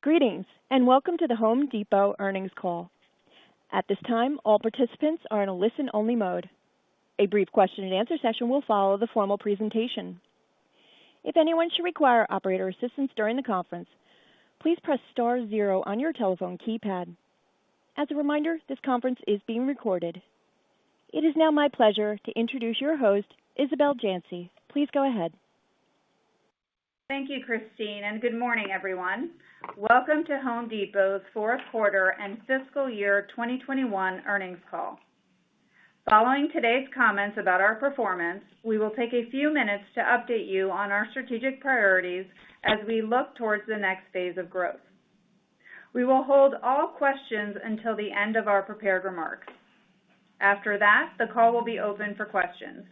Greetings, and welcome to The Home Depot earnings call. At this time, all participants are in a listen-only mode. A brief question-and-answer session will follow the formal presentation. If anyone should require operator assistance during the conference, please press star zero on your telephone keypad. As a reminder, this conference is being recorded. It is now my pleasure to introduce your host, Isabel Janci. Please go ahead. Thank you, Christine, and good morning, everyone. Welcome to The Home Depot's fourth quarter and fiscal year 2021 earnings call. Following today's comments about our performance, we will take a few minutes to update you on our strategic priorities as we look towards the next phase of growth. We will hold all questions until the end of our prepared remarks. After that, the call will be open for questions.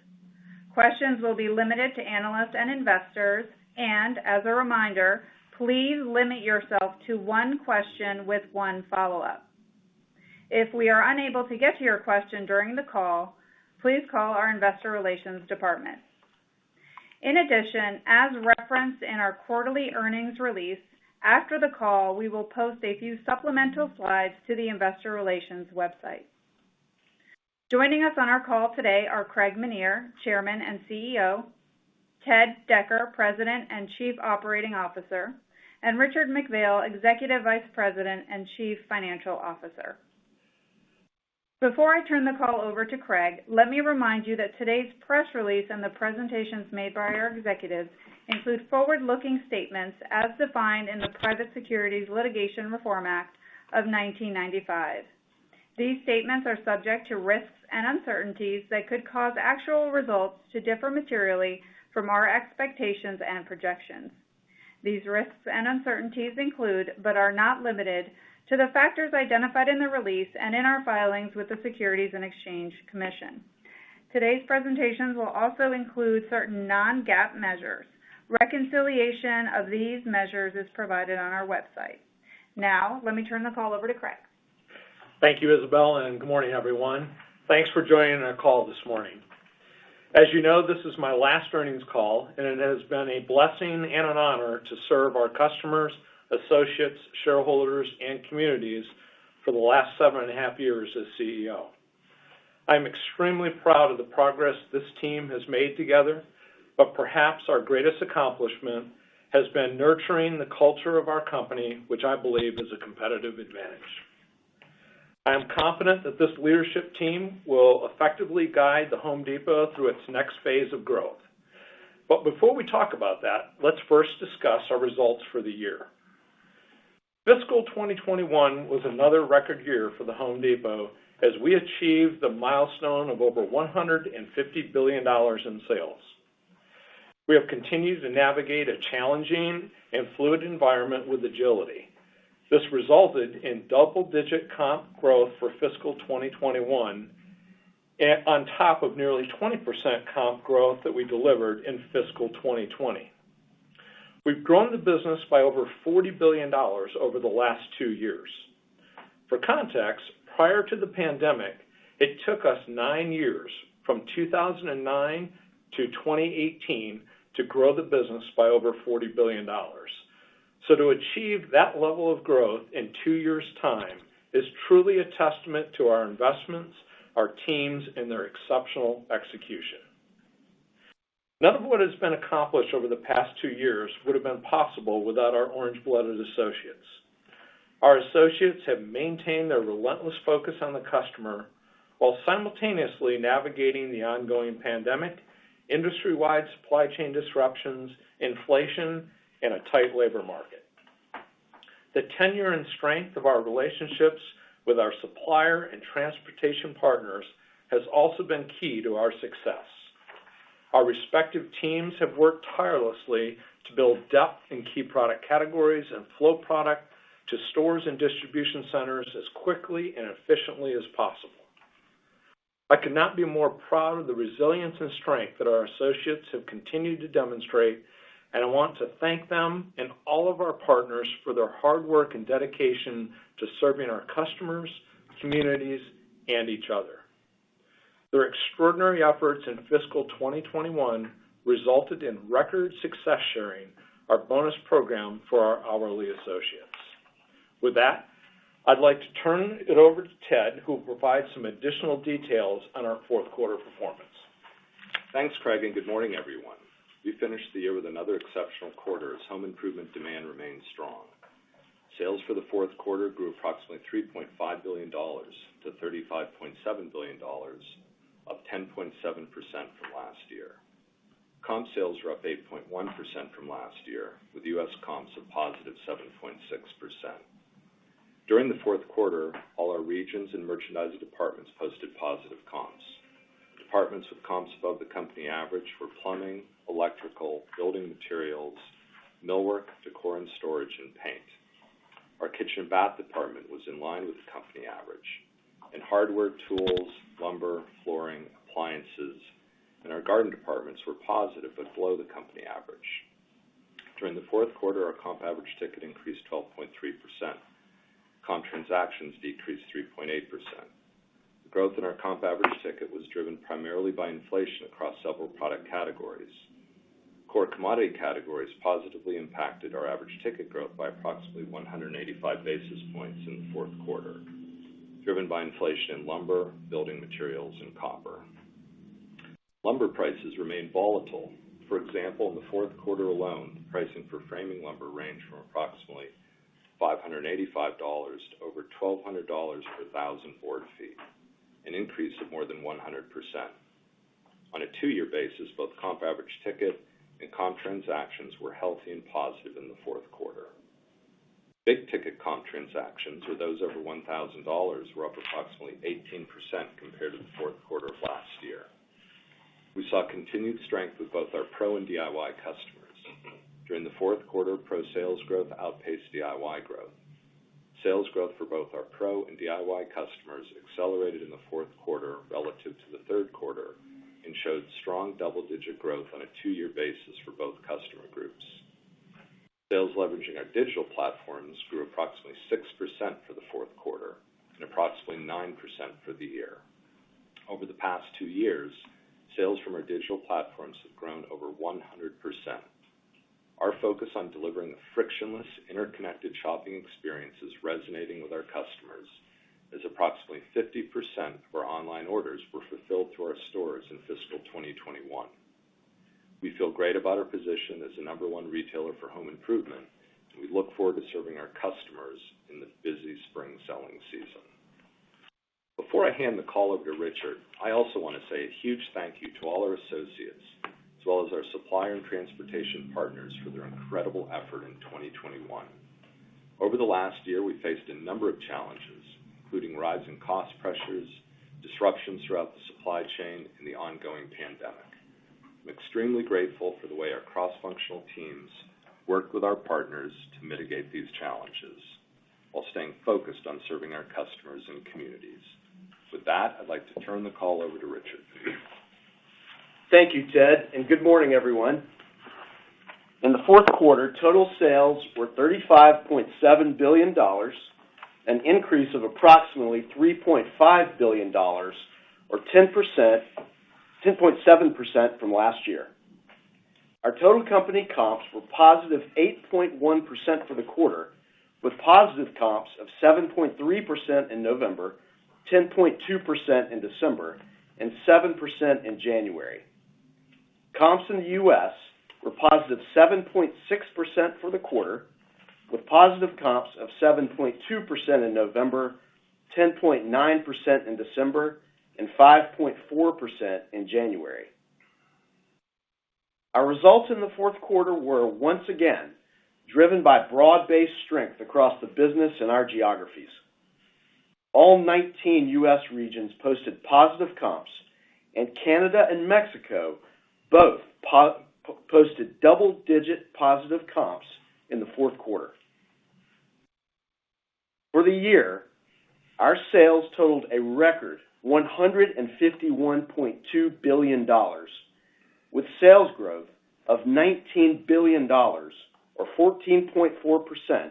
Questions will be limited to analysts and investors. As a reminder, please limit yourself to one question with one follow-up. If we are unable to get to your question during the call, please call our investor relations department. In addition, as referenced in our quarterly earnings release, after the call, we will post a few supplemental slides to the investor relations website. Joining us on our call today are Craig Menear, Chairman and Chief Executive Officer, Ted Decker, President and Chief Operating Officer, and Richard McPhail, Executive Vice President and Chief Financial Officer. Before I turn the call over to Craig, let me remind you that today's press release and the presentations made by our executives include forward-looking statements as defined in the Private Securities Litigation Reform Act of 1995. These statements are subject to risks and uncertainties that could cause actual results to differ materially from our expectations and projections. These risks and uncertainties include, but are not limited to the factors identified in the release and in our filings with the Securities and Exchange Commission. Today's presentations will also include certain Non-GAAP measures. Reconciliation of these measures is provided on our website. Now, let me turn the call over to Craig. Thank you, Isabel, and good morning, everyone. Thanks for joining our call this morning. As you know, this is my last earnings call, and it has been a blessing and an honor to serve our customers, associates, shareholders, and communities for the last 7.5 years as Chief Executive Officer. I'm extremely proud of the progress this team has made together, but perhaps our greatest accomplishment has been nurturing the culture of our company, which I believe is a competitive advantage. I am confident that this leadership team will effectively guide The Home Depot through its next phase of growth. Before we talk about that, let's first discuss our results for the year. Fiscal 2021 was another record year for The Home Depot as we achieved the milestone of over $150 billion in sales. We have continued to navigate a challenging and fluid environment with agility. This resulted in double-digit comp growth for fiscal 2021, on top of nearly 20% comp growth that we delivered in fiscal 2020. We've grown the business by over $40 billion over the last two years. For context, prior to the pandemic, it took us nine years, from 2009-2018, to grow the business by over $40 billion. To achieve that level of growth in two years' time is truly a testament to our investments, our teams, and their exceptional execution. None of what has been accomplished over the past two years would have been possible without our orange-blooded associates. Our associates have maintained their relentless focus on the customer while simultaneously navigating the ongoing pandemic, industry-wide supply chain disruptions, inflation, and a tight labor market. The tenure and strength of our relationships with our supplier and transportation partners has also been key to our success. Our respective teams have worked tirelessly to build depth in key product categories and flow product to stores and distribution centers as quickly and efficiently as possible. I could not be more proud of the resilience and strength that our associates have continued to demonstrate, and I want to thank them and all of our partners for their hard work and dedication to serving our customers, communities, and each other. Their extraordinary efforts in fiscal 2021 resulted in record Success Sharing, our bonus program for our hourly associates. With that, I'd like to turn it over to Ted, who will provide some additional details on our fourth quarter performance. Thanks, Craig, and good morning, everyone. We finished the year with another exceptional quarter as home improvement demand remained strong. Sales for the fourth quarter grew approximately $3.5 billion to $35.7 billion, up 10.7% from last year. Comp sales were up 8.1% from last year, with U.S. comps of positive 7.6%. During the fourth quarter, all our regions and merchandise departments posted positive comps. Departments with comps above the company average were plumbing, electrical, building materials, millwork, decor and storage, and paint. Our kitchen and bath department was in line with the company average. Hardware, tools, lumber, flooring, appliances, and our garden departments were positive but below the company average. During the fourth quarter, our comp average ticket decreased 3.8%. The growth in our comp average ticket was driven primarily by inflation across several product categories. Core commodity categories positively impacted our average ticket growth by approximately 185 basis points in the fourth quarter, driven by inflation in lumber, building materials, and copper. Lumber prices remain volatile. For example, in the fourth quarter alone, pricing for framing lumber ranged from approximately $585 to over $1,200 per 1000 board feet of lumber, an increase of more than 100%. On a two-year basis, both comp average ticket and comp transactions were healthy and positive in the fourth quarter. Big-ticket comp transactions, or those over $1,000, were up approximately 18% compared to the fourth quarter of last year. We saw continued strength with both our pro and DIY customers. During the fourth quarter, pro sales growth outpaced DIY growth. Sales growth for both our pro and DIY customers accelerated in the fourth quarter relative to the third quarter and showed strong double-digit growth on a two-year basis for both customer groups. Sales leveraging our digital platforms grew approximately 6% for the fourth quarter and approximately 9% for the year. Over the past two years, sales from our digital platforms have grown over 100%. Our focus on delivering a frictionless, interconnected shopping experience is resonating with our customers, as approximately 50% of our online orders were fulfilled through our stores in fiscal 2021. We feel great about our position as the number one retailer for home improvement, and we look forward to serving our customers in this busy spring selling season. Before I hand the call over to Richard, I also want to say a huge thank you to all our associates, as well as our supplier and transportation partners for their incredible effort in 2021. Over the last year, we faced a number of challenges, including rising cost pressures, disruptions throughout the supply chain, and the ongoing pandemic. I'm extremely grateful for the way our cross-functional teams worked with our partners to mitigate these challenges while staying focused on serving our customers and communities. With that, I'd like to turn the call over to Richard. Thank you, Ted, and good morning, everyone. In the fourth quarter, total sales were $35.7 billion, an increase of approximately $3.5 billion or 10.7% from last year. Our total company comps were positive 8.1% for the quarter, with positive comps of 7.3% in November, 10.2% in December, and 7% in January. Comps in the U.S. were positive 7.6% for the quarter, with positive comps of 7.2% in November, 10.9% in December, and 5.4% in January. Our results in the fourth quarter were once again driven by broad-based strength across the business and our geographies. All 19 U.S. regions posted positive comps, and Canada and Mexico both posted double-digit positive comps in the fourth quarter. For the year, our sales totaled a record $151.2 billion, with sales growth of $19 billion or 14.4%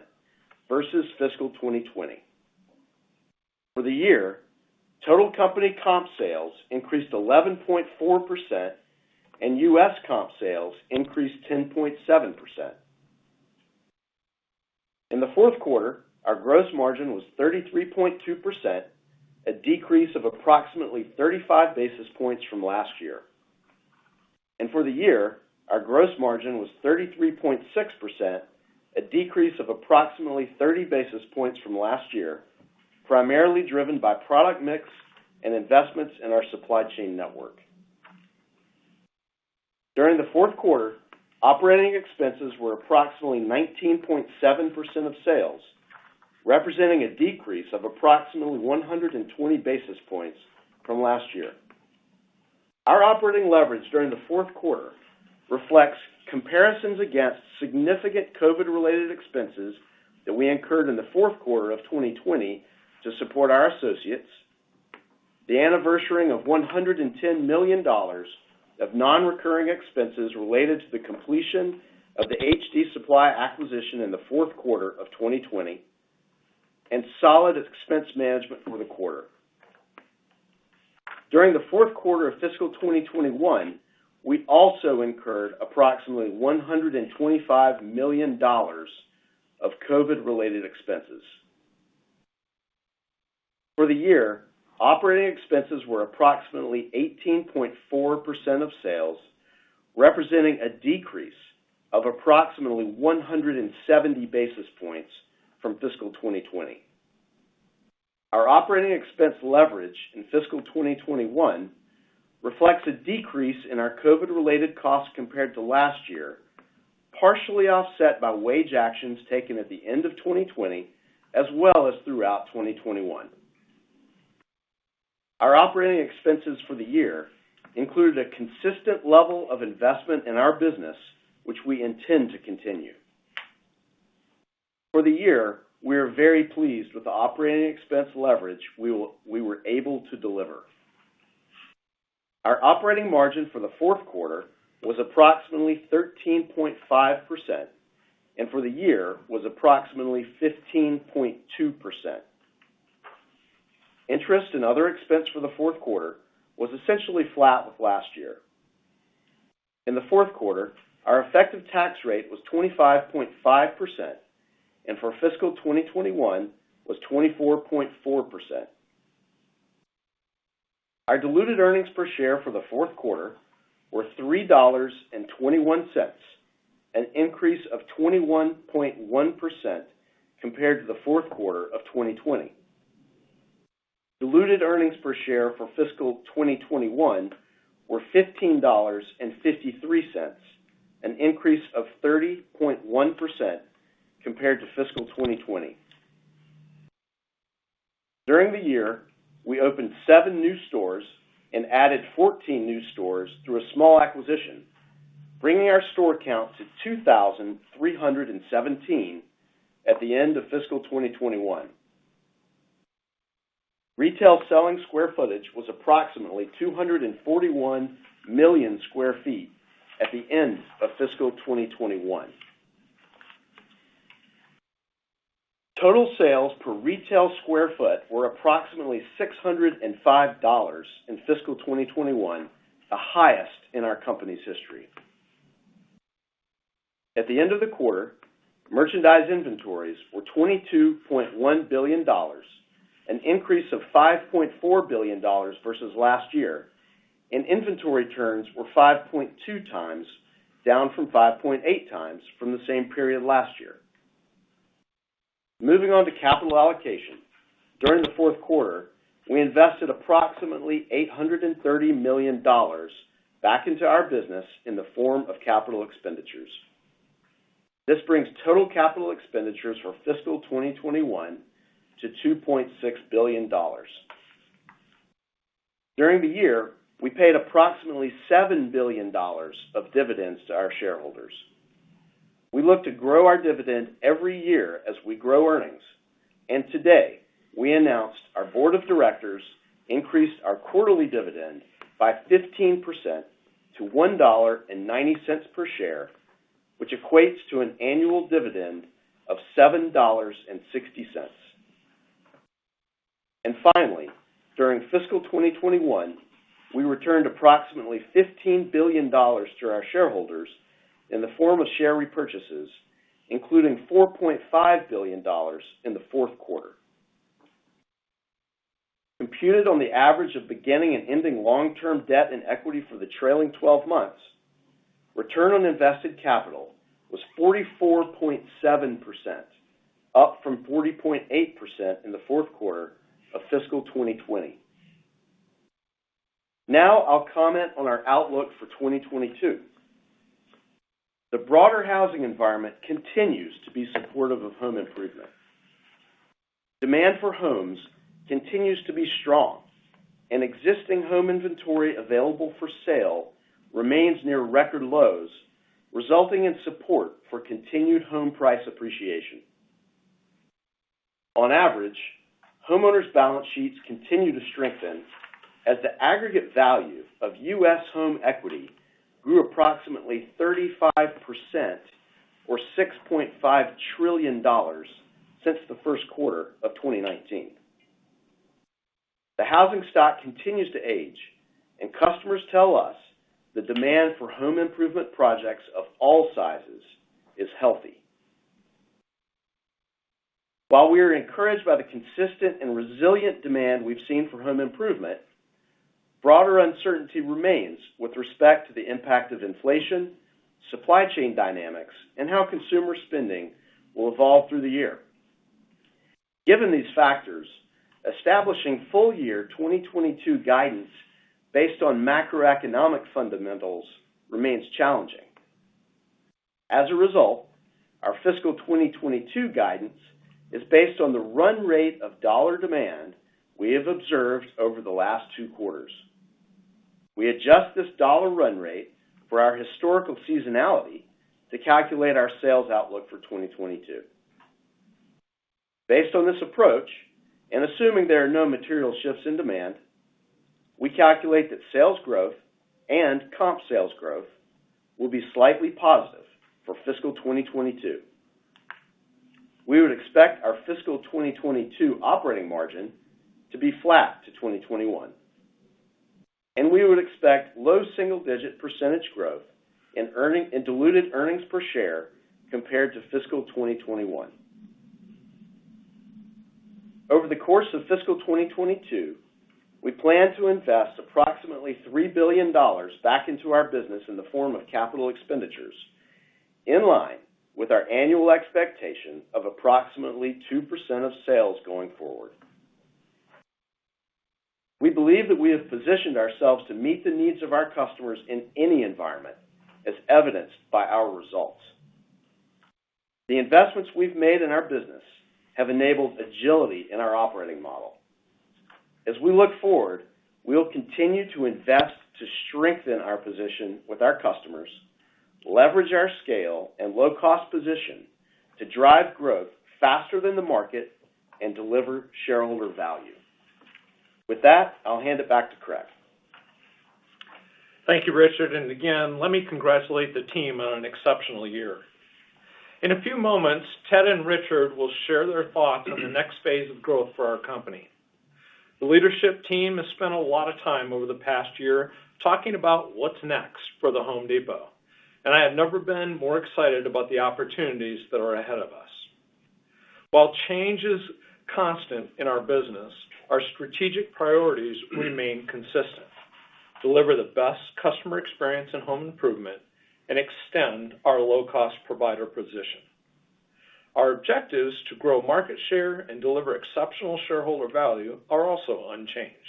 versus fiscal 2020. For the year, total company comp sales increased 11.4%, and U.S. comp sales increased 10.7%. In the fourth quarter, our gross margin was 33.2%, a decrease of approximately 35 basis points from last year. For the year, our gross margin was 33.6%, a decrease of approximately 30 basis points from last year, primarily driven by product mix and investments in our supply chain network. During the fourth quarter, operating expenses were approximately 19.7% of sales, representing a decrease of approximately 120 basis points from last year. Our operating leverage during the fourth quarter reflects comparisons against significant COVID-related expenses that we incurred in the fourth quarter of 2020 to support our associates, the anniversarying of $110 million of non-recurring expenses related to the completion of the HD Supply acquisition in the fourth quarter of 2020, and solid expense management for the quarter. During the fourth quarter of fiscal 2021, we also incurred approximately $125 million of COVID-related expenses. For the year, operating expenses were approximately 18.4% of sales, representing a decrease of approximately 170 basis points from fiscal 2020. Our operating expense leverage in fiscal 2021 reflects a decrease in our COVID-related costs compared to last year, partially offset by wage actions taken at the end of 2020 as well as throughout 2021. Our operating expenses for the year included a consistent level of investment in our business, which we intend to continue. For the year, we are very pleased with the operating expense leverage we were able to deliver. Our operating margin for the fourth quarter was approximately 13.5%, and for the year was approximately 15.2%. Interest and other expense for the fourth quarter was essentially flat with last year. In the fourth quarter, our effective tax rate was 25.5%, and for fiscal 2021 was 24.4%. Our diluted earnings per share for the fourth quarter were $3.21, an increase of 21.1% compared to the fourth quarter of 2020. Diluted earnings per share for fiscal 2021 were $15.53, an increase of 30.1% compared to fiscal 2020. During the year, we opened seven new stores and added 14 new stores through a small acquisition, bringing our store count to 2,317 stores at the end of fiscal 2021. Retail selling square footage was approximately 241 million sq ft at the end of fiscal 2021. Total sales per retail square foot were approximately $605 in fiscal 2021, the highest in our company's history. At the end of the quarter, merchandise inventories were $22.1 billion, an increase of $5.4 billion versus last year, and inventory turns were 5.2x, down from 5.8x from the same period last year. Moving on to capital allocation. During the fourth quarter, we invested approximately $830 million back into our business in the form of capital expenditures. This brings total capital expenditures for fiscal 2021 to $2.6 billion. During the year, we paid approximately $7 billion of dividends to our shareholders. We look to grow our dividend every year as we grow earnings, and today we announced our board of directors increased our quarterly dividend by 15% to $1.90 per share, which equates to an annual dividend of $7.60. Finally, during fiscal 2021, we returned approximately $15 billion to our shareholders in the form of share repurchases, including $4.5 billion in the fourth quarter. Computed on the average of beginning and ending long-term debt and equity for the trailing twelve months, return on invested capital was 44.7%, up from 40.8% in the fourth quarter of fiscal 2020. Now I'll comment on our outlook for 2022. The broader housing environment continues to be supportive of home improvement. Demand for homes continues to be strong, and existing home inventory available for sale remains near record lows, resulting in support for continued home price appreciation. On average, homeowners' balance sheets continue to strengthen as the aggregate value of U.S. home equity grew approximately 35% or $6.5 trillion since the first quarter of 2019. The housing stock continues to age and customers tell us the demand for home improvement projects of all sizes is healthy. While we are encouraged by the consistent and resilient demand we've seen for home improvement, broader uncertainty remains with respect to the impact of inflation, supply chain dynamics, and how consumer spending will evolve through the year. Given these factors, establishing full year 2022 guidance based on macroeconomic fundamentals remains challenging. As a result, our fiscal 2022 guidance is based on the run rate of dollar demand we have observed over the last two quarters. We adjust this dollar run rate for our historical seasonality to calculate our sales outlook for 2022. Based on this approach, and assuming there are no material shifts in demand, we calculate that sales growth and comp sales growth will be slightly positive for fiscal 2022. We would expect our fiscal 2022 operating margin to be flat to 2021, and we would expect low single-digit % growth in diluted earnings per share compared to fiscal 2021. Over the course of fiscal 2022, we plan to invest approximately $3 billion back into our business in the form of capital expenditures, in line with our annual expectation of approximately 2% of sales going forward. We believe that we have positioned ourselves to meet the needs of our customers in any environment, as evidenced by our results. The investments we've made in our business have enabled agility in our operating model. As we look forward, we will continue to invest to strengthen our position with our customers. Leverage our scale and low cost position to drive growth faster than the market and deliver shareholder value. With that, I'll hand it back to Craig. Thank you, Richard. Again, let me congratulate the team on an exceptional year. In a few moments, Ted and Richard will share their thoughts on the next phase of growth for our company. The leadership team has spent a lot of time over the past year talking about what's next for The Home Depot, and I have never been more excited about the opportunities that are ahead of us. While change is constant in our business, our strategic priorities remain consistent, deliver the best customer experience in home improvement and extend our low-cost provider position. Our objectives to grow market share and deliver exceptional shareholder value are also unchanged.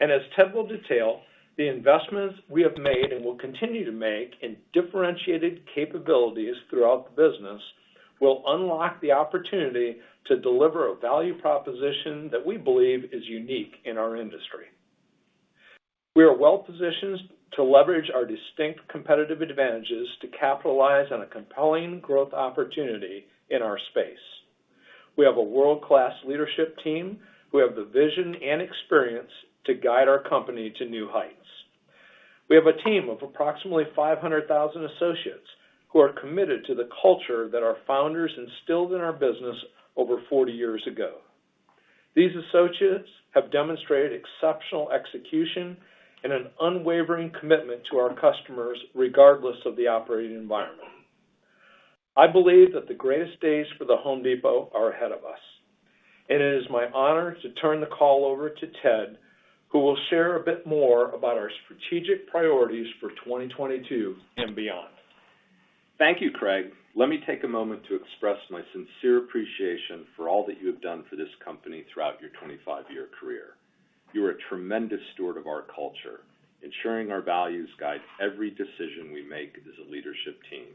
As Ted will detail, the investments we have made and will continue to make in differentiated capabilities throughout the business will unlock the opportunity to deliver a value proposition that we believe is unique in our industry. We are well-positioned to leverage our distinct competitive advantages to capitalize on a compelling growth opportunity in our space. We have a world-class leadership team who have the vision and experience to guide our company to new heights. We have a team of approximately 500,000 associates who are committed to the culture that our founders instilled in our business over 40 years ago. These associates have demonstrated exceptional execution and an unwavering commitment to our customers regardless of the operating environment. I believe that the greatest days for The Home Depot are ahead of us. It is my honor to turn the call over to Ted, who will share a bit more about our strategic priorities for 2022 and beyond. Thank you, Craig. Let me take a moment to express my sincere appreciation for all that you have done for this company throughout your 25-year career. You are a tremendous steward of our culture, ensuring our values guide every decision we make as a leadership team.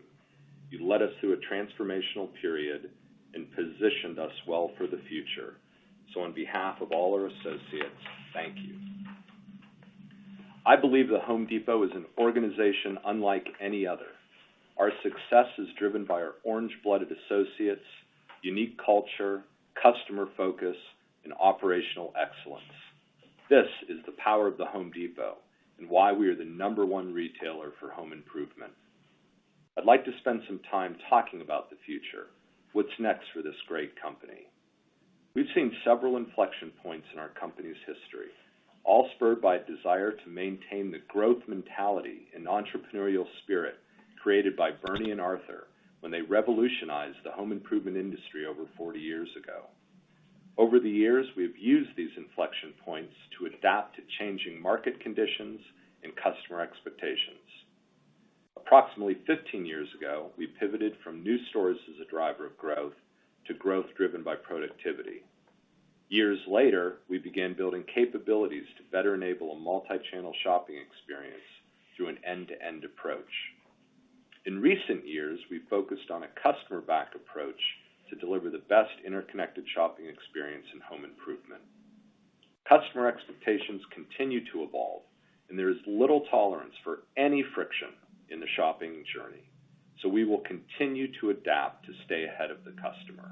You led us through a transformational period and positioned us well for the future. On behalf of all our associates, thank you. I believe The Home Depot is an organization unlike any other. Our success is driven by our orange-blooded associates, unique culture, customer focus, and operational excellence. This is the power of The Home Depot and why we are the number 1 retailer for home improvement. I'd like to spend some time talking about the future, what's next for this great company. We've seen several inflection points in our company's history, all spurred by a desire to maintain the growth mentality and entrepreneurial spirit created by Bernie and Arthur when they revolutionized the home improvement industry over 40 years ago. Over the years, we've used these inflection points to adapt to changing market conditions and customer expectations. Approximately 15 years ago, we pivoted from new stores as a driver of growth to growth driven by productivity. Years later, we began building capabilities to better enable a multi-channel shopping experience through an end-to-end approach. In recent years, we focused on a customer-backed approach to deliver the best interconnected shopping experience in home improvement. Customer expectations continue to evolve, and there is little tolerance for any friction in the shopping journey, so we will continue to adapt to stay ahead of the customer.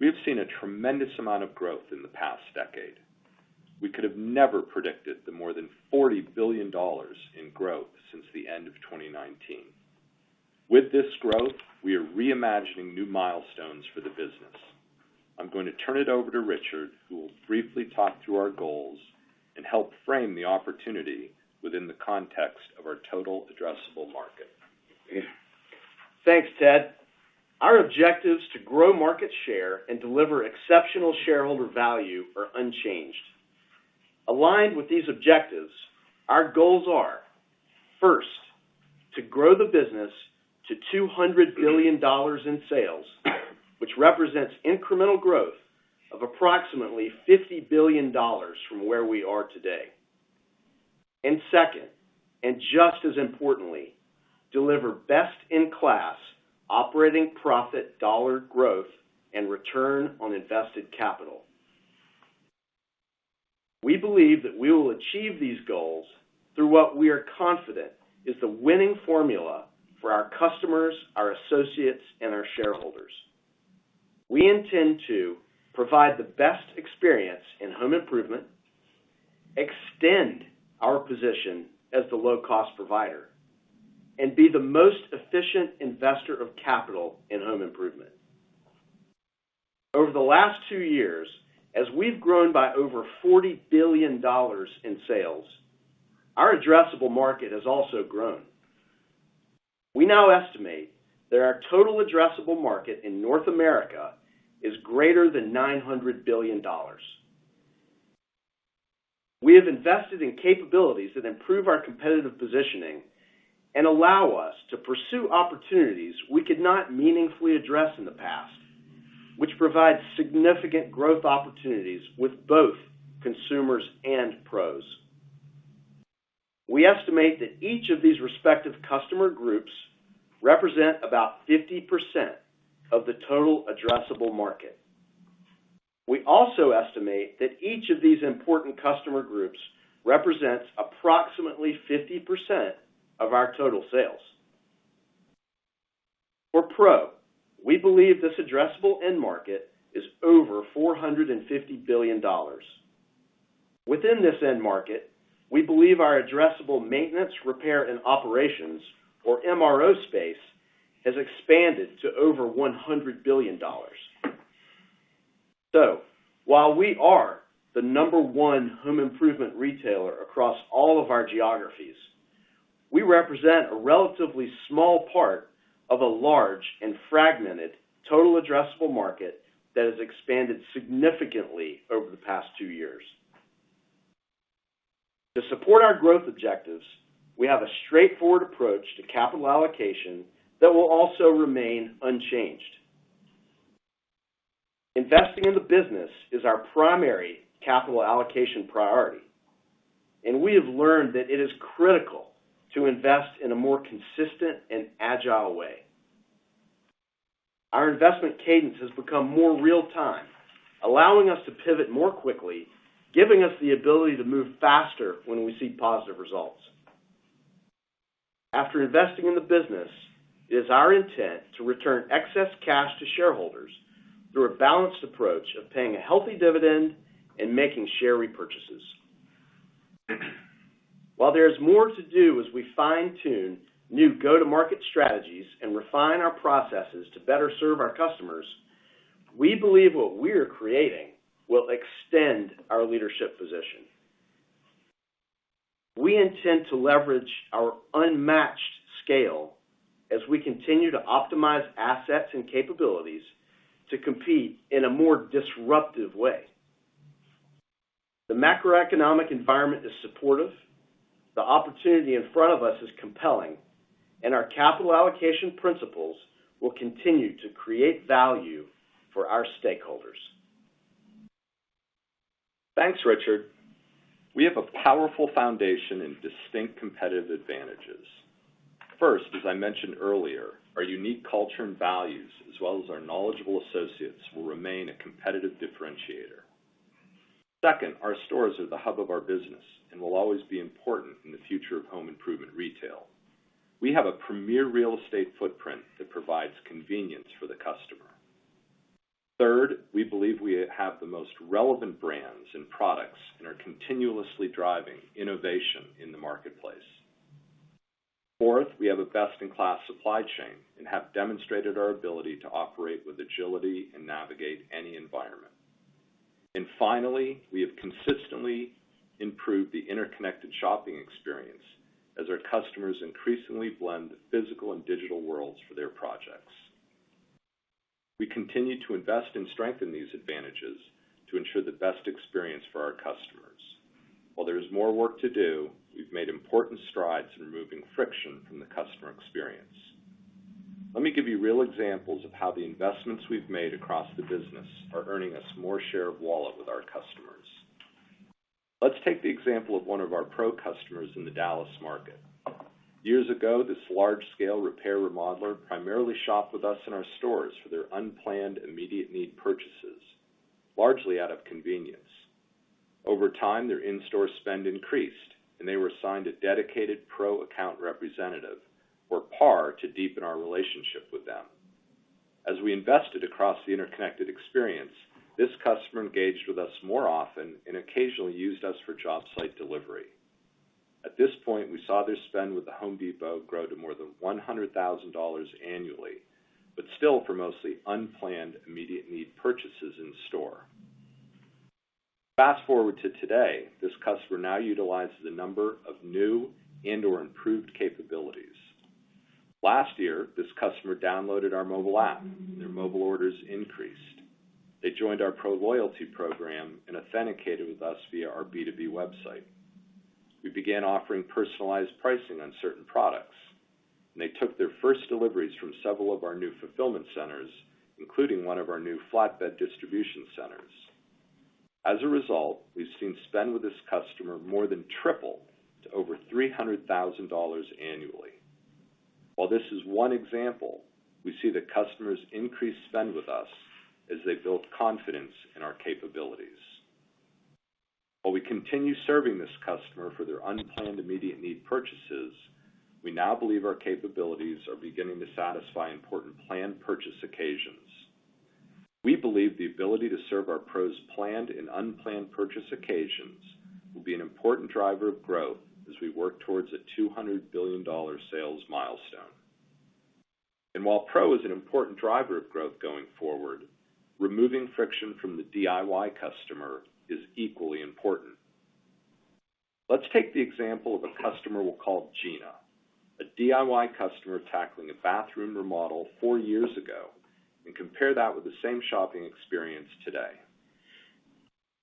We have seen a tremendous amount of growth in the past decade. We could have never predicted the more than $40 billion in growth since the end of 2019. With this growth, we are reimagining new milestones for the business. I'm going to turn it over to Richard, who will briefly talk through our goals and help frame the opportunity within the context of our total addressable market. Thanks, Ted. Our objectives to grow market share and deliver exceptional shareholder value are unchanged. Aligned with these objectives, our goals are, first, to grow the business to $200 billion in sales, which represents incremental growth of approximately $50 billion from where we are today. Second, and just as importantly, deliver best-in-class operating profit dollar growth and return on invested capital. We believe that we will achieve these goals through what we are confident is the winning formula for our customers, our associates, and our shareholders. We intend to provide the best experience in home improvement, extend our position as the low-cost provider, and be the most efficient investor of capital in home improvement. Over the last two years, as we've grown by over $40 billion in sales, our addressable market has also grown. We now estimate that our total addressable market in North America is greater than $900 billion. We have invested in capabilities that improve our competitive positioning and allow us to pursue opportunities we could not meaningfully address in the past, which provide significant growth opportunities with both consumers and pros. We estimate that each of these respective customer groups represent about 50% of the total addressable market. We also estimate that each of these important customer groups represents approximately 50% of our total sales. For Pro, we believe this addressable end market is over $450 billion. Within this end market, we believe our addressable maintenance, repair, and operations, or MRO space, has expanded to over $100 billion. While we are the number one home improvement retailer across all of our geographies, we represent a relatively small part of a large and fragmented total addressable market that has expanded significantly over the past two years. To support our growth objectives, we have a straightforward approach to capital allocation that will also remain unchanged. Investing in the business is our primary capital allocation priority, and we have learned that it is critical to invest in a more consistent and agile way. Our investment cadence has become more real time, allowing us to pivot more quickly, giving us the ability to move faster when we see positive results. After investing in the business, it is our intent to return excess cash to shareholders through a balanced approach of paying a healthy dividend and making share repurchases. While there is more to do as we fine-tune new go-to-market strategies and refine our processes to better serve our customers, we believe what we are creating will extend our leadership position. We intend to leverage our unmatched scale as we continue to optimize assets and capabilities to compete in a more disruptive way. The macroeconomic environment is supportive, the opportunity in front of us is compelling, and our capital allocation principles will continue to create value for our stakeholders. Thanks, Richard. We have a powerful foundation and distinct competitive advantages. First, as I mentioned earlier, our unique culture and values, as well as our knowledgeable associates, will remain a competitive differentiator. Second, our stores are the hub of our business and will always be important in the future of home improvement retail. We have a premier real estate footprint that provides convenience for the customer. Third, we believe we have the most relevant brands and products and are continuously driving innovation in the marketplace. Fourth, we have a best-in-class supply chain and have demonstrated our ability to operate with agility and navigate any environment. Finally, we have consistently improved the interconnected shopping experience as our customers increasingly blend physical and digital worlds for their projects. We continue to invest and strengthen these advantages to ensure the best experience for our customers. While there is more work to do, we've made important strides in removing friction from the customer experience. Let me give you real examples of how the investments we've made across the business are earning us more share of wallet with our customers. Let's take the example of one of our Pro customers in the Dallas market. Years ago, this large-scale repair remodeler primarily shopped with us in our stores for their unplanned, immediate need purchases, largely out of convenience. Over time, their in-store spend increased, and they were assigned a dedicated Pro account representative, or PAR, to deepen our relationship with them. As we invested across the interconnected experience, this customer engaged with us more often and occasionally used us for job site delivery. At this point, we saw their spend with The Home Depot grow to more than $100,000 annually, but still for mostly unplanned, immediate need purchases in store. Fast-forward to today, this customer now utilizes a number of new and/or improved capabilities. Last year, this customer downloaded our mobile app. Their mobile orders increased. They joined our Pro loyalty program and authenticated with us via our B2B website. We began offering personalized pricing on certain products. They took their first deliveries from several of our new fulfillment centers, including one of our new flatbed distribution centers. As a result, we've seen spend with this customer more than triple to over $300,000 annually. While this is one example, we see that customers increase spend with us as they build confidence in our capabilities. While we continue serving this customer for their unplanned, immediate need purchases, we now believe our capabilities are beginning to satisfy important planned purchase occasions. We believe the ability to serve our Pros' planned and unplanned purchase occasions will be an important driver of growth as we work towards a $200 billion sales milestone. While Pro is an important driver of growth going forward, removing friction from the DIY customer is equally important. Let's take the example of a customer we'll call Gina, a DIY customer tackling a bathroom remodel four years ago, and compare that with the same shopping experience today.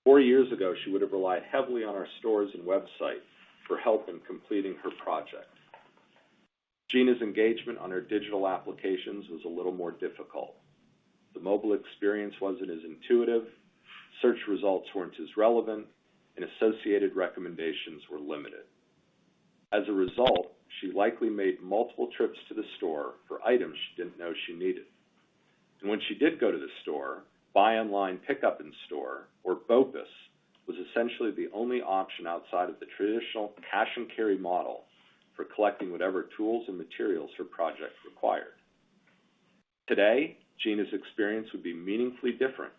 Four years ago, she would have relied heavily on our stores and website for help in completing her project. Gina's engagement on her digital applications was a little more difficult. The mobile experience wasn't as intuitive, search results weren't as relevant, and associated recommendations were limited. As a result, she likely made multiple trips to the store for items she didn't know she needed. When she did go to the store, buy online, pickup in store or BOPUS was essentially the only option outside of the traditional cash and carry model for collecting whatever tools and materials her project required. Today, Gina's experience would be meaningfully different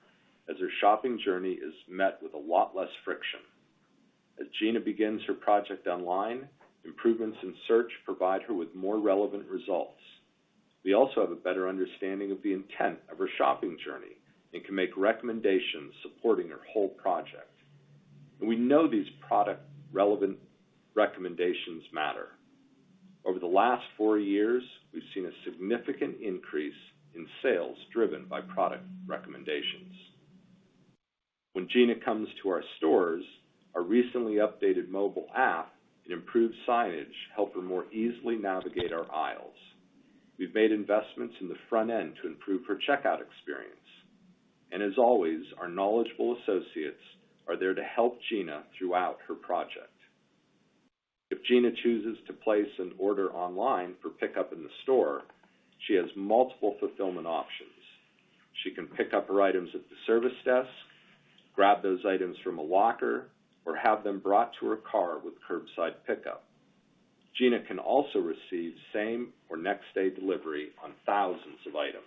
as her shopping journey is met with a lot less friction. As Gina begins her project online, improvements in search provide her with more relevant results. We also have a better understanding of the intent of her shopping journey and can make recommendations supporting her whole project. We know these product relevant recommendations matter. Over the last four years, we've seen a significant increase in sales driven by product recommendations. When Gina comes to our stores, our recently updated mobile app and improved signage help her more easily navigate our aisles. We've made investments in the front end to improve her checkout experience. As always, our knowledgeable associates are there to help Gina throughout her project. If Gina chooses to place an order online for pickup in the store, she has multiple fulfillment options. She can pick up her items at the service desk, grab those items from a locker, or have them brought to her car with curbside pickup. Gina can also receive same or next day delivery on thousands of items.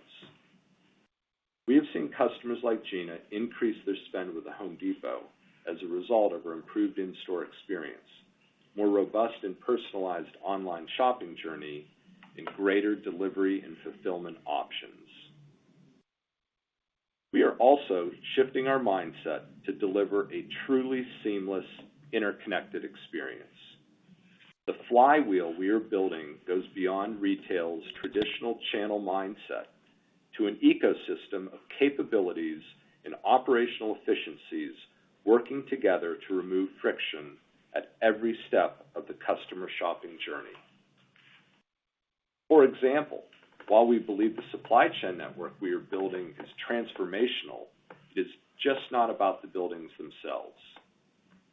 We have seen customers like Gina increase their spend with The Home Depot as a result of our improved in-store experience, more robust and personalized online shopping journey, and greater delivery and fulfillment options. We are also shifting our mindset to deliver a truly seamless, interconnected experience. The flywheel we are building goes beyond retail's traditional channel mindset to an ecosystem of capabilities and operational efficiencies working together to remove friction at every step of the customer shopping journey. For example, while we believe the supply chain network we are building is transformational, it's just not about the buildings themselves.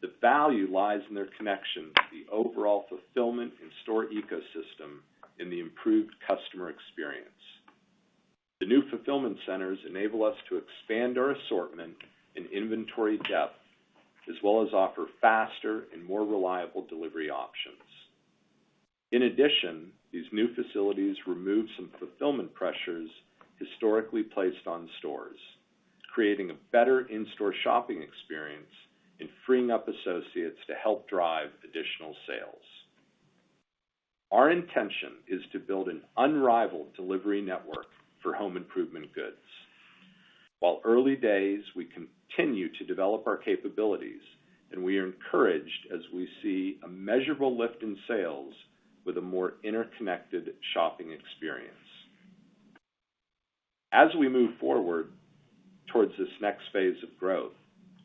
The value lies in their connection to the overall fulfillment and store ecosystem and the improved customer experience. The new fulfillment centers enable us to expand our assortment and inventory depth, as well as offer faster and more reliable delivery options. In addition, these new facilities remove some fulfillment pressures historically placed on stores, creating a better in-store shopping experience and freeing up associates to help drive additional sales. Our intention is to build an unrivaled delivery network for home improvement goods. While early days, we continue to develop our capabilities, and we are encouraged as we see a measurable lift in sales with a more interconnected shopping experience. As we move forward towards this next phase of growth,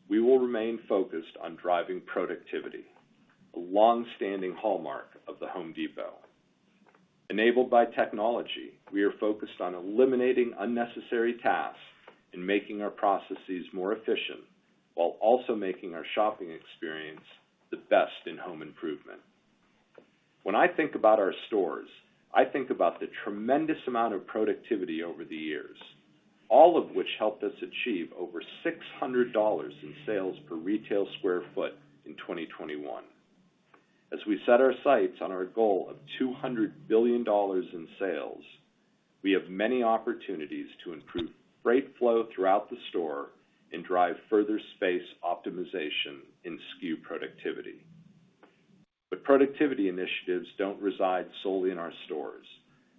we will remain focused on driving productivity, a long-standing hallmark of The Home Depot. Enabled by technology, we are focused on eliminating unnecessary tasks and making our processes more efficient, while also making our shopping experience the best in home improvement. When I think about our stores, I think about the tremendous amount of productivity over the years, all of which helped us achieve over $600 in sales per retail sq ft in 2021. As we set our sights on our goal of $200 billion in sales, we have many opportunities to improve freight flow throughout the store and drive further space optimization in SKU productivity. Productivity initiatives don't reside solely in our stores.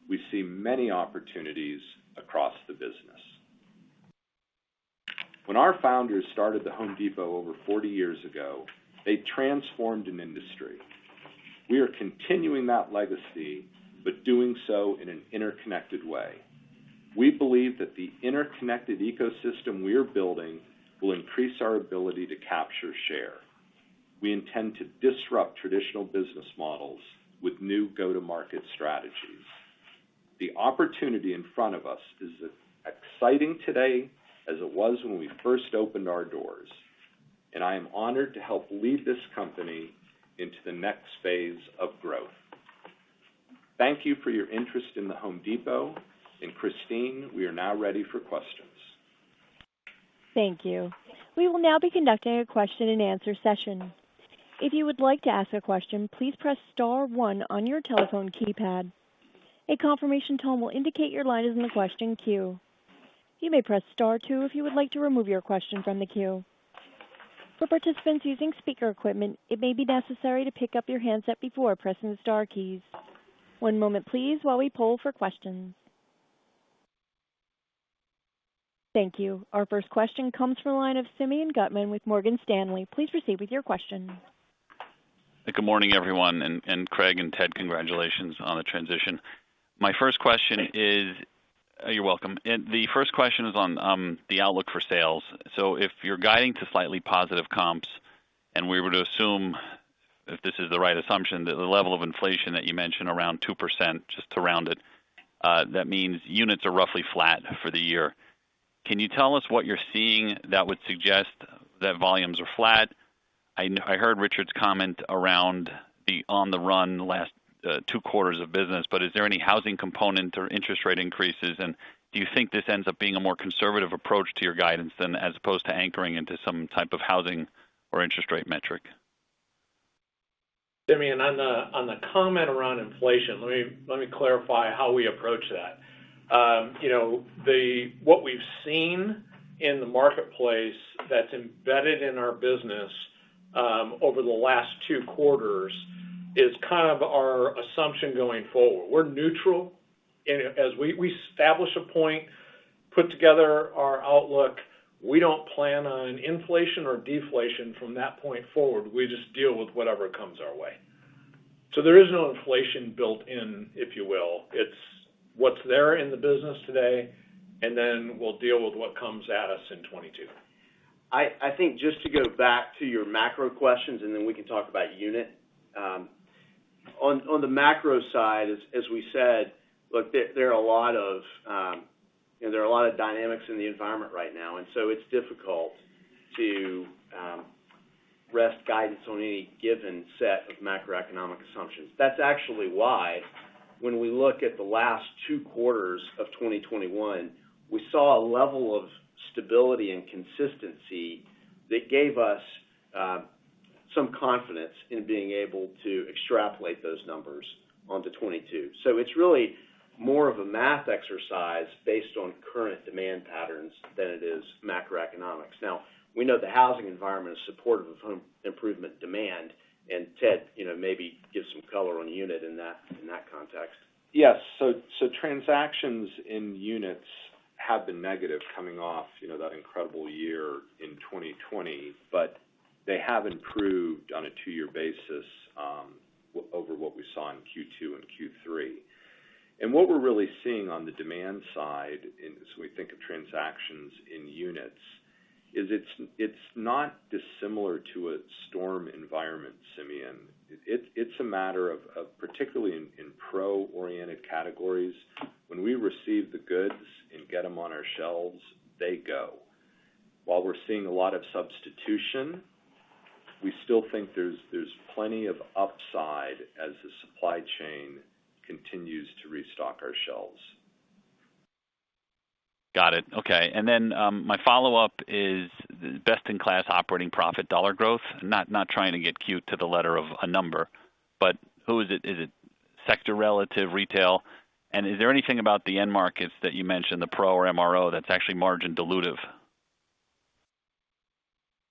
We see many opportunities across the business. When our founders started The Home Depot over forty years ago, they transformed an industry. We are continuing that legacy, but doing so in an interconnected way. We believe that the interconnected ecosystem we are building will increase our ability to capture share. We intend to disrupt traditional business models with new go-to-market strategies. The opportunity in front of us is as exciting today as it was when we first opened our doors, and I am honored to help lead this company into the next phase of growth. Thank you for your interest in The Home Depot, and Christine, we are now ready for questions. Our first question comes from the line of Simeon Gutman with Morgan Stanley. Please proceed with your question. Good morning, everyone, and Craig and Ted, congratulations on the transition. My first question is. You're welcome. The first question is on the outlook for sales. If you're guiding to slightly positive comps, and we were to assume that this is the right assumption, that the level of inflation that you mentioned around 2% just to round it, that means units are roughly flat for the year. Can you tell us what you're seeing that would suggest that volumes are flat? I heard Richard's comment around the on the run last two quarters of business. Is there any housing component or interest rate increases? Do you think this ends up being a more conservative approach to your guidance than as opposed to anchoring into some type of housing or interest rate metric? Simeon, on the comment around inflation, let me clarify how we approach that. You know, what we've seen in the marketplace that's embedded in our business over the last two quarters is kind of our assumption going forward. We're neutral. As we establish a point, put together our outlook, we don't plan on inflation or deflation from that point forward. We just deal with whatever comes our way. There is no inflation built in, if you will. It's what's there in the business today, and then we'll deal with what comes at us in 2022. I think just to go back to your macro questions, and then we can talk about unit. On the macro side, as we said, look, there are a lot of, you know, dynamics in the environment right now, and so it's difficult to reset guidance on any given set of macroeconomic assumptions. That's actually why when we look at the last two quarters of 2021, we saw a level of stability and consistency that gave us some confidence in being able to extrapolate those numbers onto 2022. It's really more of a math exercise based on current demand patterns than it is macroeconomics. Now, we know the housing environment is supportive of home improvement demand, and Ted, you know, maybe give some color on unit in that context. Yes. Transactions in units have been negative coming off, you know, that incredible year in 2020, but they have improved on a two-year basis over what we saw in Q2 and Q3. What we're really seeing on the demand side, as we think of transactions in units, is it's not dissimilar to a storm environment, Simeon. It's a matter of particularly in pro-oriented categories, when we receive the goods and get them on our shelves, they go. While we're seeing a lot of substitution, we still think there's plenty of upside as the supply chain continues to restock our shelves. Got it. Okay. My follow-up is best-in-class operating profit $ growth. Not trying to get cute to the letter or a number, but who is it? Is it sector relative retail? And is there anything about the end markets that you mentioned, the pro or MRO, that's actually margin dilutive?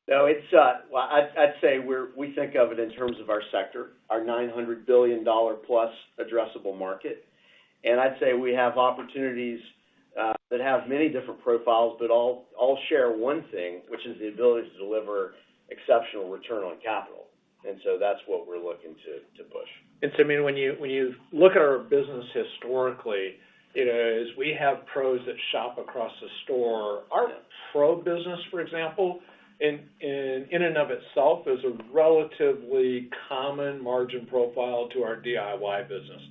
No, it's. Well, I'd say we think of it in terms of our sector, our $900 billion+ addressable market. I'd say we have opportunities that have many different profiles, but all share one thing, which is the ability to deliver exceptional return on capital. That's what we're looking to push. Simeon, when you look at our business historically, you know, as we have pros that shop across the store. Our pro business, for example, in and of itself is a relatively comparable margin profile to our DIY business.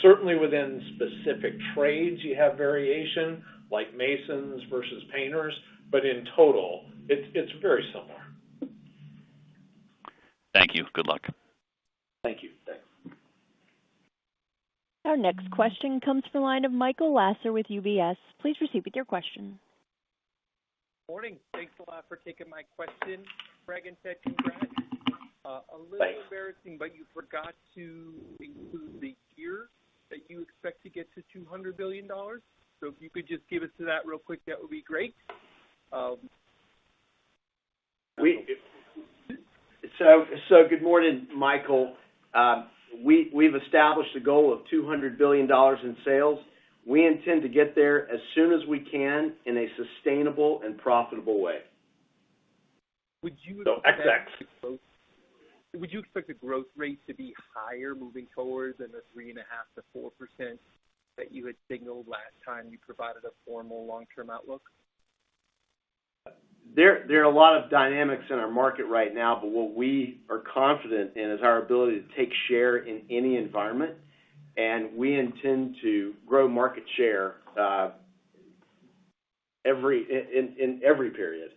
Certainly within specific trades you have variation, like masons versus painters, but in total, it's very similar. Thank you. Good luck. Thank you. Thanks. Our next question comes from the line of Michael Lasser with UBS. Please proceed with your question. Morning. Thanks a lot for taking my question. Greg and Ted, congrats. Thanks. A little embarrassing, but you forgot to include the year that you expect to get to $200 billion. If you could just give it to us real quick, that would be great. We- Good morning, Michael. We've established a goal of $200 billion in sales. We intend to get there as soon as we can in a sustainable and profitable way. Would you- So XX. Would you expect the growth rate to be higher moving forward than the 3.5%-4% that you had signaled last time you provided a formal long-term outlook? There are a lot of dynamics in our market right now, but what we are confident in is our ability to take share in any environment, and we intend to grow market share in every period.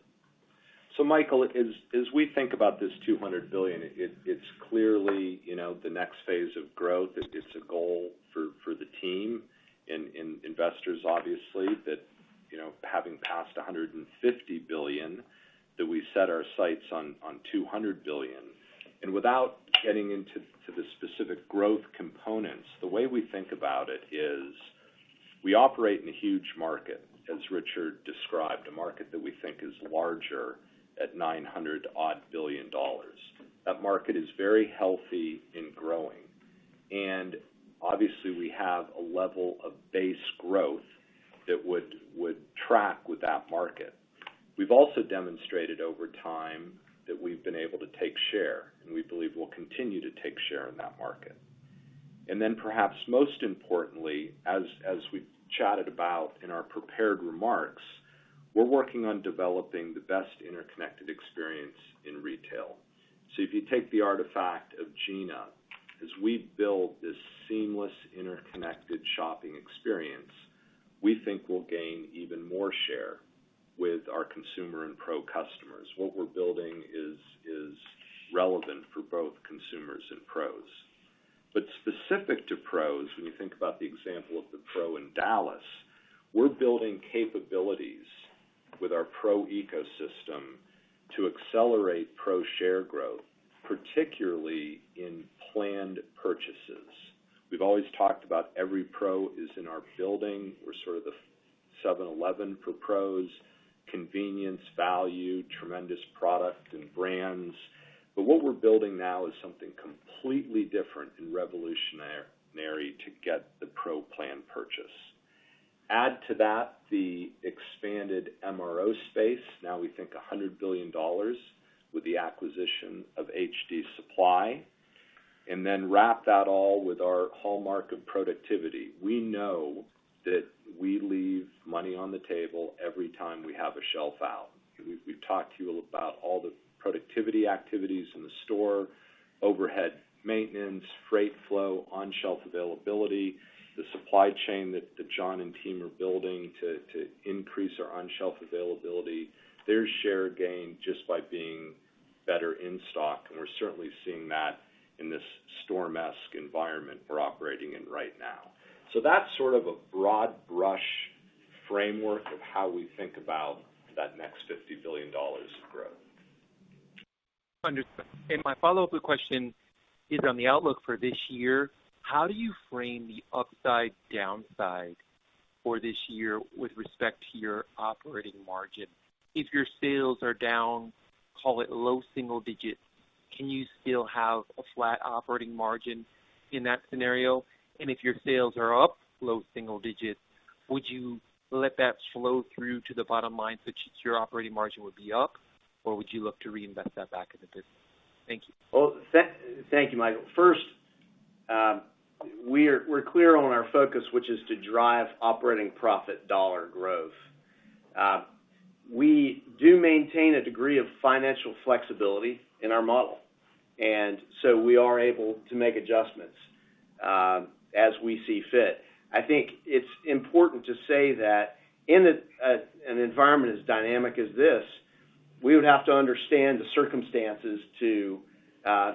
Michael, as we think about this $200 billion, it's clearly, you know, the next phase of growth. It's a goal for the team and investors, obviously, that, you know, having passed a $150 billion, that we set our sights on $200 billion. Without getting into the specific growth components, the way we think about it is we operate in a huge market, as Richard described, a market that we think is larger at $900-odd billion. That market is very healthy and growing. Obviously we have a level of base growth that would track with that market. We've also demonstrated over time that we've been able to take share, and we believe we'll continue to take share in that market. Perhaps most importantly, as we've chatted about in our prepared remarks, we're working on developing the best interconnected experience in retail. If you take the aspect of Gina, as we build this seamless interconnected shopping experience, we think we'll gain even more share with our consumer and pro customers. What we're building is relevant for both consumers and pros. Specific to pros, when you think about the example of the pro in Dallas, we're building capabilities with our pro ecosystem to accelerate pro share growth, particularly in planned purchases. We've always talked about every pro is in our building. We're sort of the 7-Eleven for pros, convenience, value, tremendous product and brands. What we're building now is something completely different and revolutionary to get the pro planned purchase. Add to that the expanded MRO space. Now we think $100 billion with the acquisition of HD Supply, and then wrap that all with our hallmark of productivity. We know that we leave money on the table every time we have a shelf out. We've talked to you about all the productivity activities in the store, overhead maintenance, freight flow, on-shelf availability, the supply chain that John and team are building to increase our on-shelf availability. There's share gain just by being better in stock, and we're certainly seeing that in this shortage environment we're operating in right now. That's sort of a broad-brush framework of how we think about that next $50 billion of growth. Understood. My follow-up question is on the outlook for this year. How do you frame the upside, downside for this year with respect to your operating margin? If your sales are down, call it low single digits, can you still have a flat operating margin in that scenario? If your sales are up low single digits, would you let that flow through to the bottom line, which is your operating margin would be up, or would you look to reinvest that back in the business? Thank you. Well, thank you, Michael. First, we're clear on our focus, which is to drive operating profit dollar growth. We do maintain a degree of financial flexibility in our model, and so we are able to make adjustments as we see fit. I think it's important to say that in an environment as dynamic as this, we would have to understand the circumstances to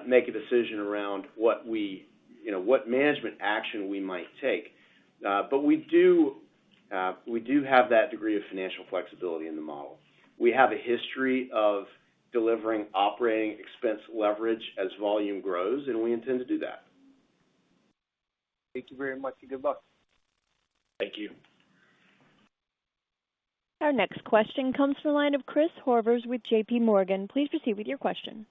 make a decision around what we, you know, what management action we might take. We have that degree of financial flexibility in the model. We have a history of delivering operating expense leverage as volume grows, and we intend to do that. Thank you very much, and good luck. Thank you. Our next question comes from the line of Christopher Horvers with JPMorgan. Please proceed with your question.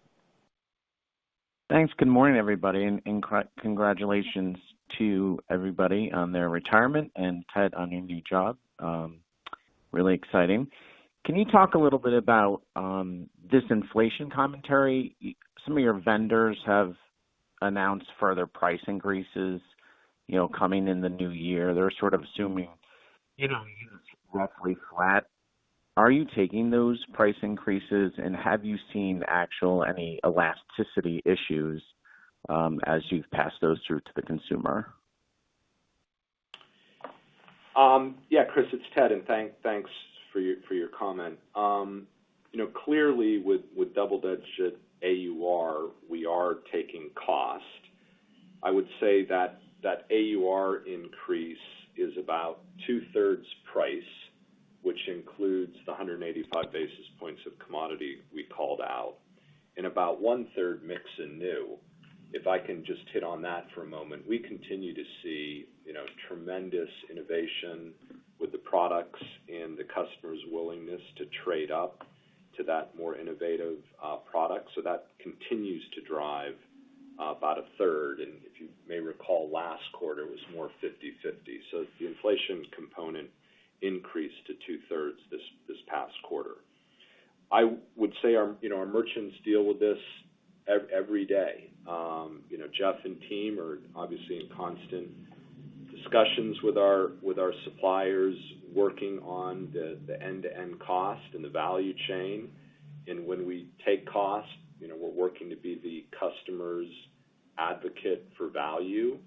Thanks. Good morning, everybody, and congratulations to everybody on their retirement and Ted on your new job. Really exciting. Can you talk a little bit about this inflation commentary? Some of your vendors have announced further price increases, you know, coming in the new year. They're sort of assuming, you know, roughly flat. Are you taking those price increases, and have you seen actually any elasticity issues as you've passed those through to the consumer? Yeah, Chris, it's Ted, and thanks for your comment. You know, clearly with double-digit AUR, we are taking cost. I would say that AUR increase is about 2/3 price, which includes the 185 basis points of commodity we called out and about 1/3 mix and new. If I can just hit on that for a moment. We continue to see, you know, tremendous innovation with the products and the customer's willingness to trade up to that more innovative product. That continues to drive about 1/3. If you may recall, last quarter was more 50/50. The inflation component increased to 2/3 this past quarter. I would say our, you know, our merchants deal with this every day. You know, Jeff and team are obviously in constant discussions with our suppliers, working on the end-to-end cost and the value chain. When we take costs, you know, we're working to be the customer's advocate for value.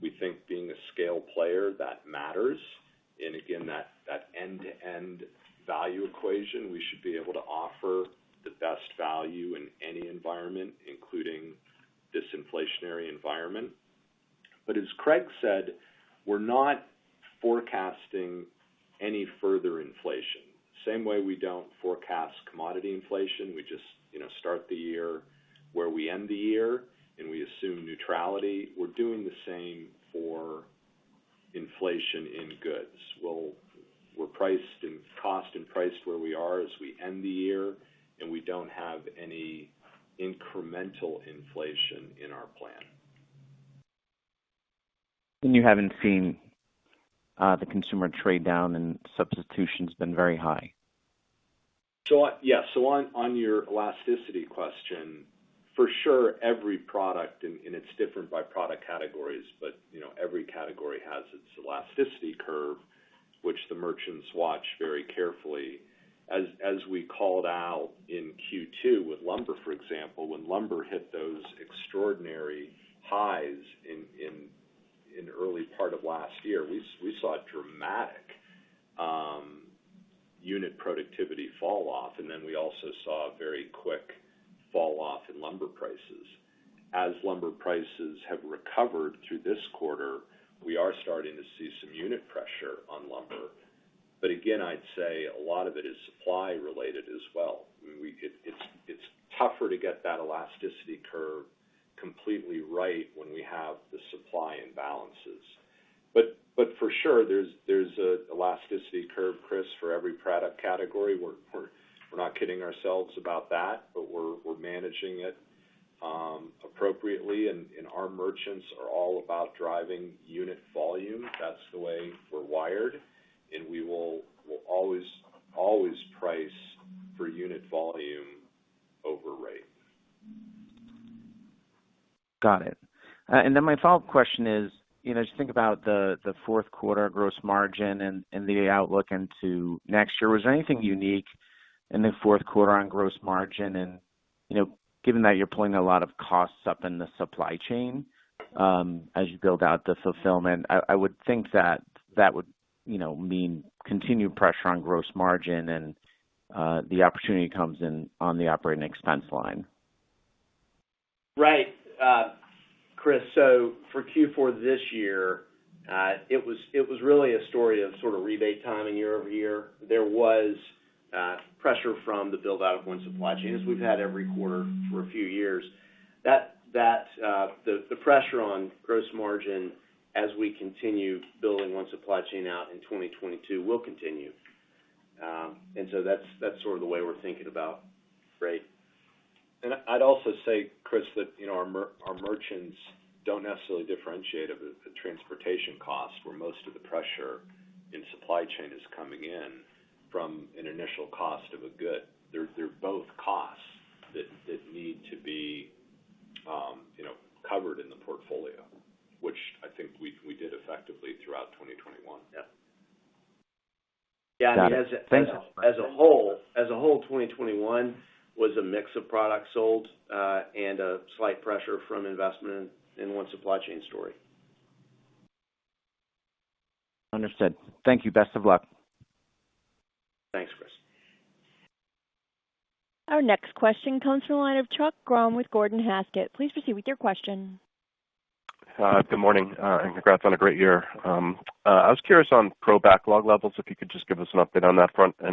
We think being a scale player, that matters. Again, that end-to-end value equation, we should be able to offer the best value in any environment, including this inflationary environment. As Craig said, we're not forecasting any further inflation. Same way we don't forecast commodity inflation. We just, you know, start the year where we end the year and we assume neutrality. We're doing the same for inflation in goods. We're priced in cost and priced where we are as we end the year, and we don't have any incremental inflation in our plan. You haven't seen the consumer trade down and substitution has been very high. On your elasticity question, for sure, every product, and it's different by product categories, but, you know, every category has its elasticity curve, which the merchants watch very carefully. As we called out in Q2 with lumber, for example, when lumber hit those extraordinary highs in early part of last year, we saw a dramatic unit productivity falloff, and then we also saw a very quick falloff in lumber prices. As lumber prices have recovered through this quarter, we are starting to see some unit pressure on lumber. But again, I'd say a lot of it is supply related as well. It's tougher to get that elasticity curve completely right when we have the supply imbalances. But for sure, there's a elasticity curve, Christopher, for every product category. We're not kidding ourselves about that, but we're managing it appropriately. Our merchants are all about driving unit volume. That's the way we're wired, and we'll always price for unit volume over rate. Got it. My follow-up question is, you know, just think about the fourth quarter gross margin and the outlook into next year. Was there anything unique in the fourth quarter on gross margin? You know, given that you're pulling a lot of costs up in the supply chain, as you build out the fulfillment, I would think that would, you know, mean continued pressure on gross margin and the opportunity comes in on the operating expense line. Right. Chris, for Q4 this year, it was really a story of sort of rebate timing year-over-year. There was pressure from the build-out of One Supply Chain, as we've had every quarter for a few years. That the pressure on gross margin as we continue building One Supply Chain out in 2022 will continue. That's sort of the way we're thinking about. Great. I'd also say, Chris, that, you know, our merchants don't necessarily differentiate between a transportation cost, where most of the pressure in supply chain is coming in from an initial cost of a good. They're both costs that need to be, you know, covered in the portfolio, which I think we did effectively throughout 2021. Yeah. Got it. Thanks. As a whole, 2021 was a mix of products sold, and a slight pressure from investment in One Supply Chain story. Understood. Thank you. Best of luck. Thanks, Chris. Our next question comes from the line of Chuck Grom with Gordon Haskett. Please proceed with your question. Good morning, and congrats on a great year. I was curious on pro backlog levels, if you could just give us an update on that front. I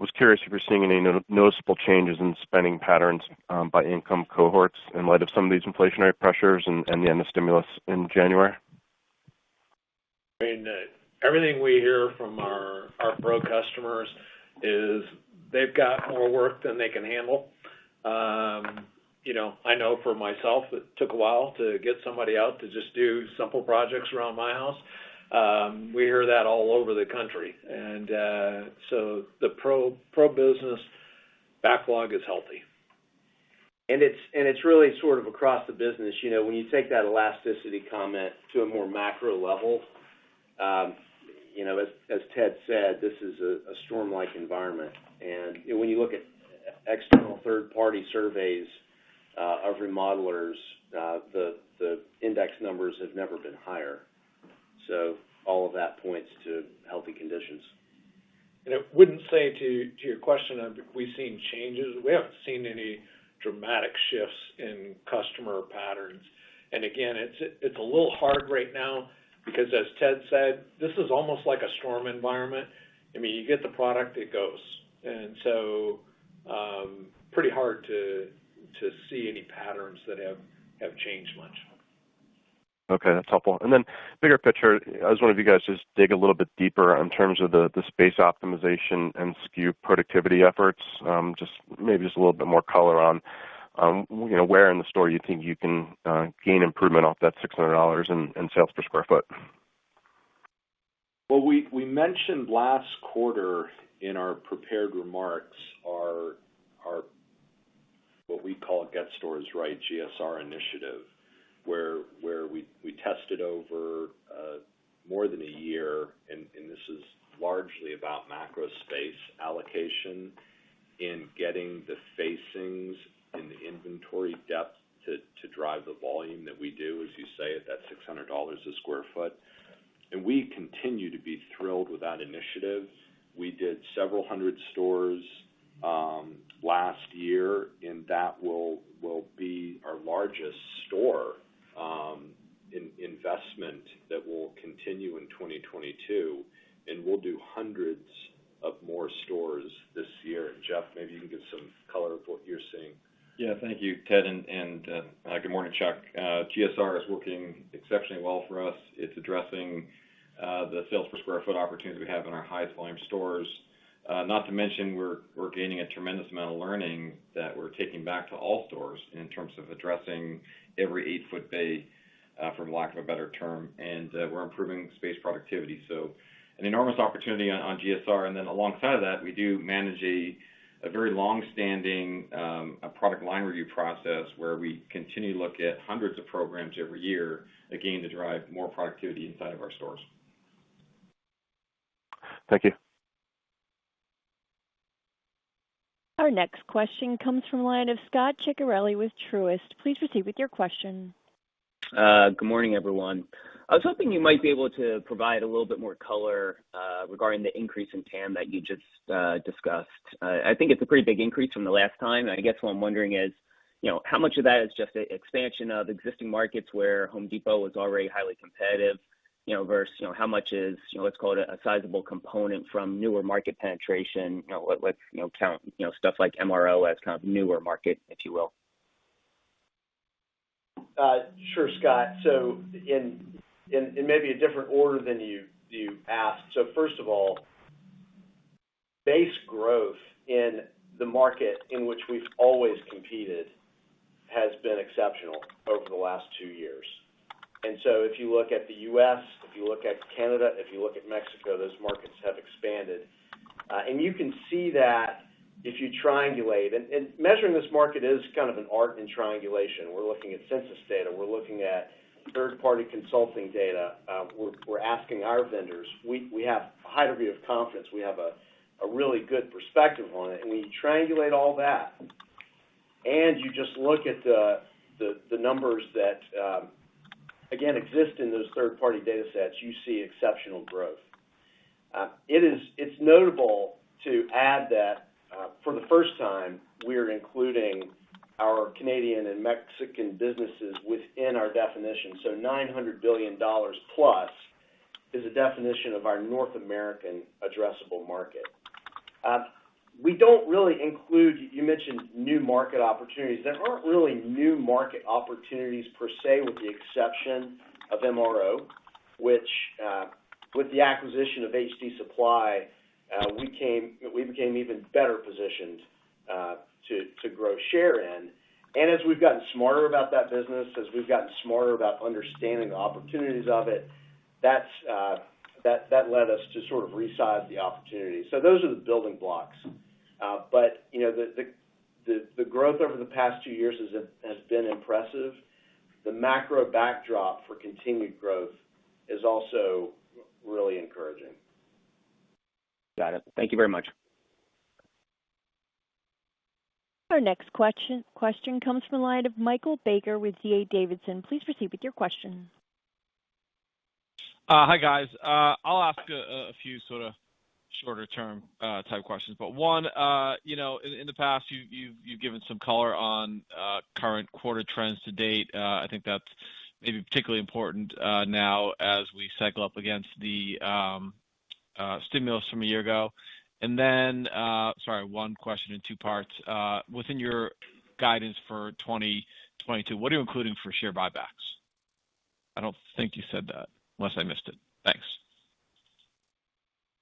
was curious if you're seeing any noticeable changes in spending patterns by income cohorts in light of some of these inflationary pressures and the end of stimulus in January. I mean, everything we hear from our pro customers is they've got more work than they can handle. You know, I know for myself, it took a while to get somebody out to just do simple projects around my house. We hear that all over the country. The pro business backlog is healthy. It's really sort of across the business. You know, when you take that elasticity comment to a more macro level, you know, as Ted said, this is a storm-like environment. When you look at external third-party surveys of remodelers, the index numbers have never been higher. All of that points to healthy conditions. I wouldn't say to your question of have we seen changes, we haven't seen any dramatic shifts in customer patterns. Again, it's a little hard right now because as Ted said, this is almost like a storm environment. I mean, you get the product, it goes. Pretty hard to see any patterns that have changed much. Okay, that's helpful. Bigger picture, I just wonder if you guys just dig a little bit deeper in terms of the space optimization and SKU productivity efforts, just maybe just a little bit more color on, you know, where in the store you think you can gain improvement off that $600 in sales per sq ft. Well, we mentioned last quarter in our prepared remarks our what we call Get Stores Right, GSR initiative, where we tested over more than a year, and this is largely about macro space allocation in getting the facings and the inventory depth to drive the volume that we do, as you say, at that $600 a sq ft. We continue to be thrilled with that initiative. We did several hundred stores last year, and that will be our largest store investment that will continue in 2022, and we'll do hundreds of more stores this year. Jeff, maybe you can give some color of what you're seeing. Yeah. Thank you, Ted, and good morning, Chuck. GSR is working exceptionally well for us. It's addressing the sales per square foot opportunities we have in our high volume stores. Not to mention we're gaining a tremendous amount of learning that we're taking back to all stores in terms of addressing every eight-foot bay, for lack of a better term. We're improving space productivity, so an enormous opportunity on GSR. Alongside of that, we do manage a very long-standing product line review process where we continue to look at hundreds of programs every year, again, to drive more productivity inside of our stores. Thank you. Our next question comes from the line of Scot Ciccarelli with Truist Securities. Please proceed with your question. Good morning, everyone. I was hoping you might be able to provide a little bit more color regarding the increase in TAM that you just discussed. I think it's a pretty big increase from the last time. I guess what I'm wondering is, you know, how much of that is just a expansion of existing markets where Home Depot was already highly competitive, you know, versus, you know, how much is, you know, let's call it a sizable component from newer market penetration. You know, let's count you know stuff like MRO as kind of newer market, if you will. Sure, Scott. In maybe a different order than you asked. First of all, base growth in the market in which we've always competed has been exceptional over the last two years. If you look at the U.S., if you look at Canada, if you look at Mexico, those markets have expanded. You can see that if you triangulate. Measuring this market is kind of an art in triangulation. We're looking at census data, we're looking at third-party consulting data. We're asking our vendors. We have a high degree of confidence. We have a really good perspective on it. When you triangulate all that, and you just look at the numbers that again exist in those third-party data sets, you see exceptional growth. It's notable to add that, for the first time, we're including our Canadian and Mexican businesses within our definition. $900 billion+ is a definition of our North American addressable market. We don't really include. You mentioned new market opportunities. There aren't really new market opportunities per se, with the exception of MRO, which, with the acquisition of HD Supply, we became even better positioned to grow share in. And as we've gotten smarter about that business, as we've gotten smarter about understanding the opportunities of it, that led us to sort of resize the opportunity. Those are the building blocks. You know, the growth over the past two years has been impressive. The macro backdrop for continued growth is also really encouraging. Got it. Thank you very much. Our next question comes from the line of Michael Baker with D.A. Davidson. Please proceed with your question. Hi, guys. I'll ask a few sorta shorter term type questions. One, you know, in the past, you've given some color on current quarter trends to date. I think that's maybe particularly important now as we cycle up against the stimulus from a year ago. Sorry, one question in two parts. Within your guidance for 2022, what are you including for share buybacks? I don't think you said that, unless I missed it. Thanks.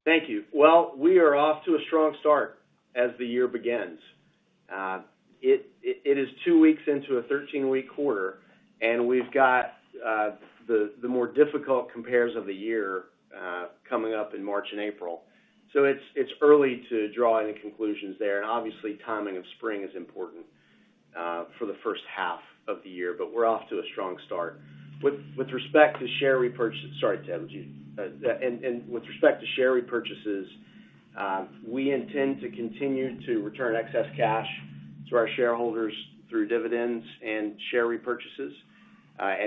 Thank you. Well, we are off to a strong start as the year begins. It is two weeks into a 13-week quarter, and we've got the more difficult compares of the year coming up in March and April. It's early to draw any conclusions there. Obviously, timing of spring is important for the first half of the year, but we're off to a strong start. With respect to share repurchases, we intend to continue to return excess cash to our shareholders through dividends and share repurchases.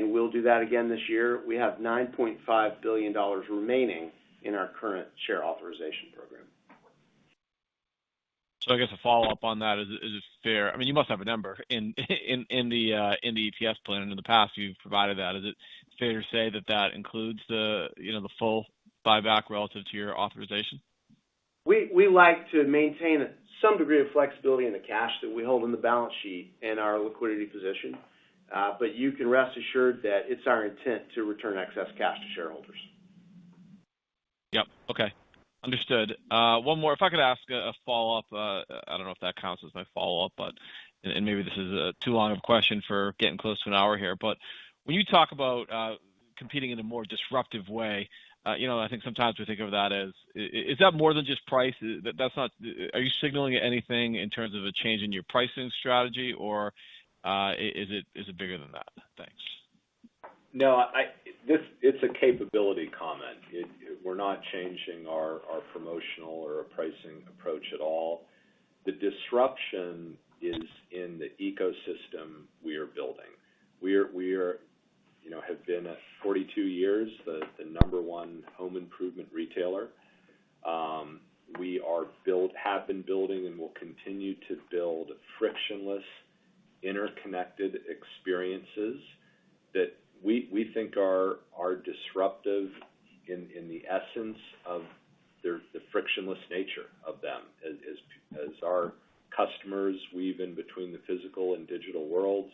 We'll do that again this year. We have $9.5 billion remaining in our current share authorization program. I guess a follow-up on that, is it fair? I mean, you must have a number in the EPS plan. In the past you've provided that. Is it fair to say that that includes the, you know, the full buyback relative to your authorization? We like to maintain some degree of flexibility in the cash that we hold in the balance sheet in our liquidity position. You can rest assured that it's our intent to return excess cash to shareholders. Yep. Okay. Understood. One more. If I could ask a follow-up. I don't know if that counts as my follow-up, but maybe this is too long of a question for getting close to an hour here. When you talk about competing in a more disruptive way, you know, I think sometimes we think of that as. Is that more than just price? Are you signaling anything in terms of a change in your pricing strategy, or is it bigger than that? Thanks. No, it's a capability comment. We're not changing our promotional or pricing approach at all. The disruption is in the ecosystem we are building. We are, you know, have been for 42 years, the number one home improvement retailer. We have been building and will continue to build frictionless, interconnected experiences that we think are disruptive in the essence of their frictionless nature. As our customers weave in between the physical and digital worlds,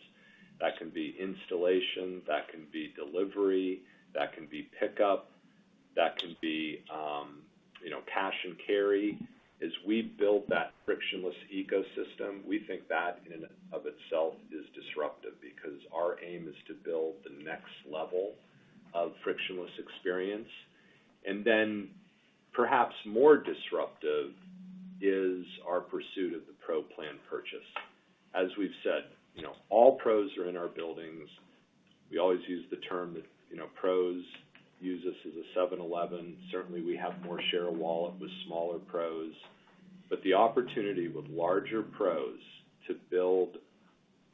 that can be installation, that can be delivery, that can be pickup, that can be, you know, cash and carry. As we build that frictionless ecosystem, we think that in and of itself is disruptive because our aim is to build the next level of frictionless experience. Perhaps more disruptive is our pursuit of the pro plan. As we've said, you know, all pros are in our buildings. We always use the term that, you know, pros use us as a 7-Eleven. Certainly, we have more share of wallet with smaller pros. But the opportunity with larger pros to build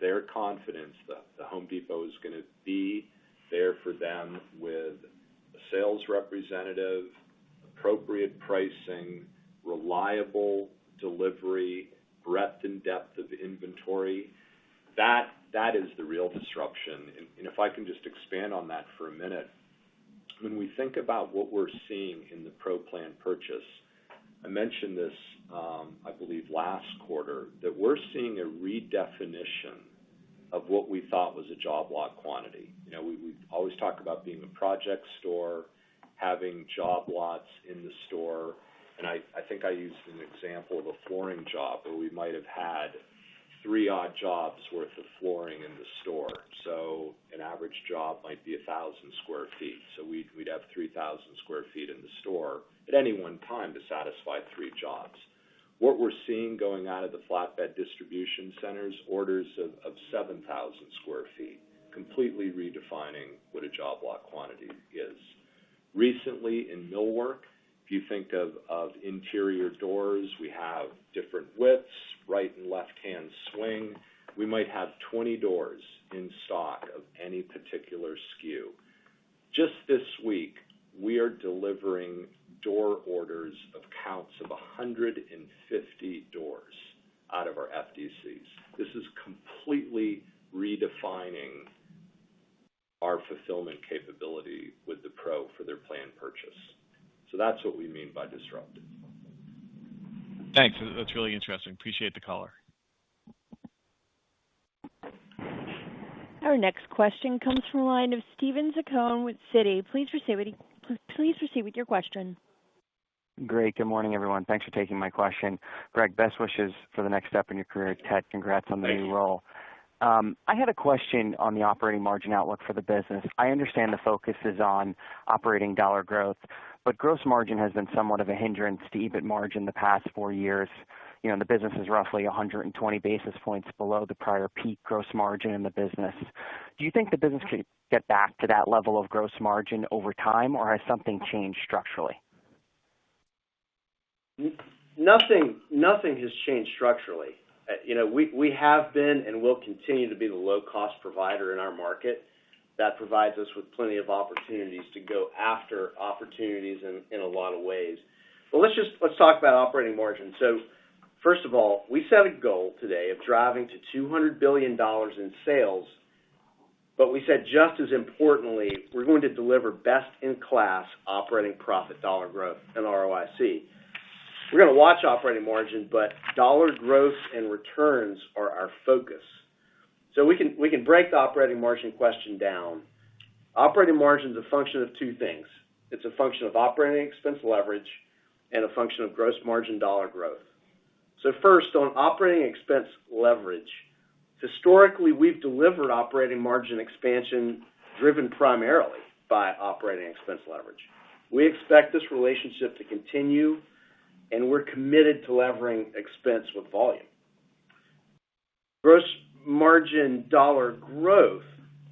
their confidence that The Home Depot is gonna be there for them with a sales representative, appropriate pricing, reliable delivery, breadth, and depth of inventory, that is the real disruption. If I can just expand on that for a minute. When we think about what we're seeing in the pro plan purchase, I mentioned this, I believe last quarter, that we're seeing a redefinition of what we thought was a job lot quantity. You know, we always talk about being the project store, having job lots in the store. I think I used an example of a flooring job where we might have had three odd jobs worth of flooring in the store. An average job might be 1,000 sq ft. We'd have 3,000 sq ft in the store at any one time to satisfy three jobs. What we're seeing going out of the flatbed distribution centers, orders of 7,000 sq ft, completely redefining what a job lot quantity is. Recently, in millwork, if you think of interior doors, we have different widths, right and left-hand swing. We might have 20 doors in stock of any particular SKU. Just this week, we are delivering door orders of counts of 150 doors out of our FDCs. This is completely redefining our fulfillment capability with the pro for their planned purchase. That's what we mean by disruptive. Thanks. That's really interesting. Appreciate the color. Our next question comes from the line of Steven Zaccone with Citi. Please proceed with your question. Great. Good morning, everyone. Thanks for taking my question. Greg, best wishes for the next step in your career. Ted, congrats on the new role. I had a question on the operating margin outlook for the business. I understand the focus is on operating dollar growth, but gross margin has been somewhat of a hindrance to EBIT margin the past four years. You know, the business is roughly 120 basis points below the prior peak gross margin in the business. Do you think the business could get back to that level of gross margin over time, or has something changed structurally? Nothing has changed structurally. You know, we have been and will continue to be the low-cost provider in our market. That provides us with plenty of opportunities to go after opportunities in a lot of ways. Let's just talk about operating margin. First of all, we set a goal today of driving to $200 billion in sales, but we said, just as importantly, we're going to deliver best-in-class operating profit dollar growth and ROIC. We're gonna watch operating margin, but dollar growth and returns are our focus. We can break the operating margin question down. Operating margin is a function of two things. It's a function of operating expense leverage and a function of gross margin dollar growth. First, on operating expense leverage, historically, we've delivered operating margin expansion driven primarily by operating expense leverage. We expect this relationship to continue, and we're committed to levering expense with volume. Gross margin dollar growth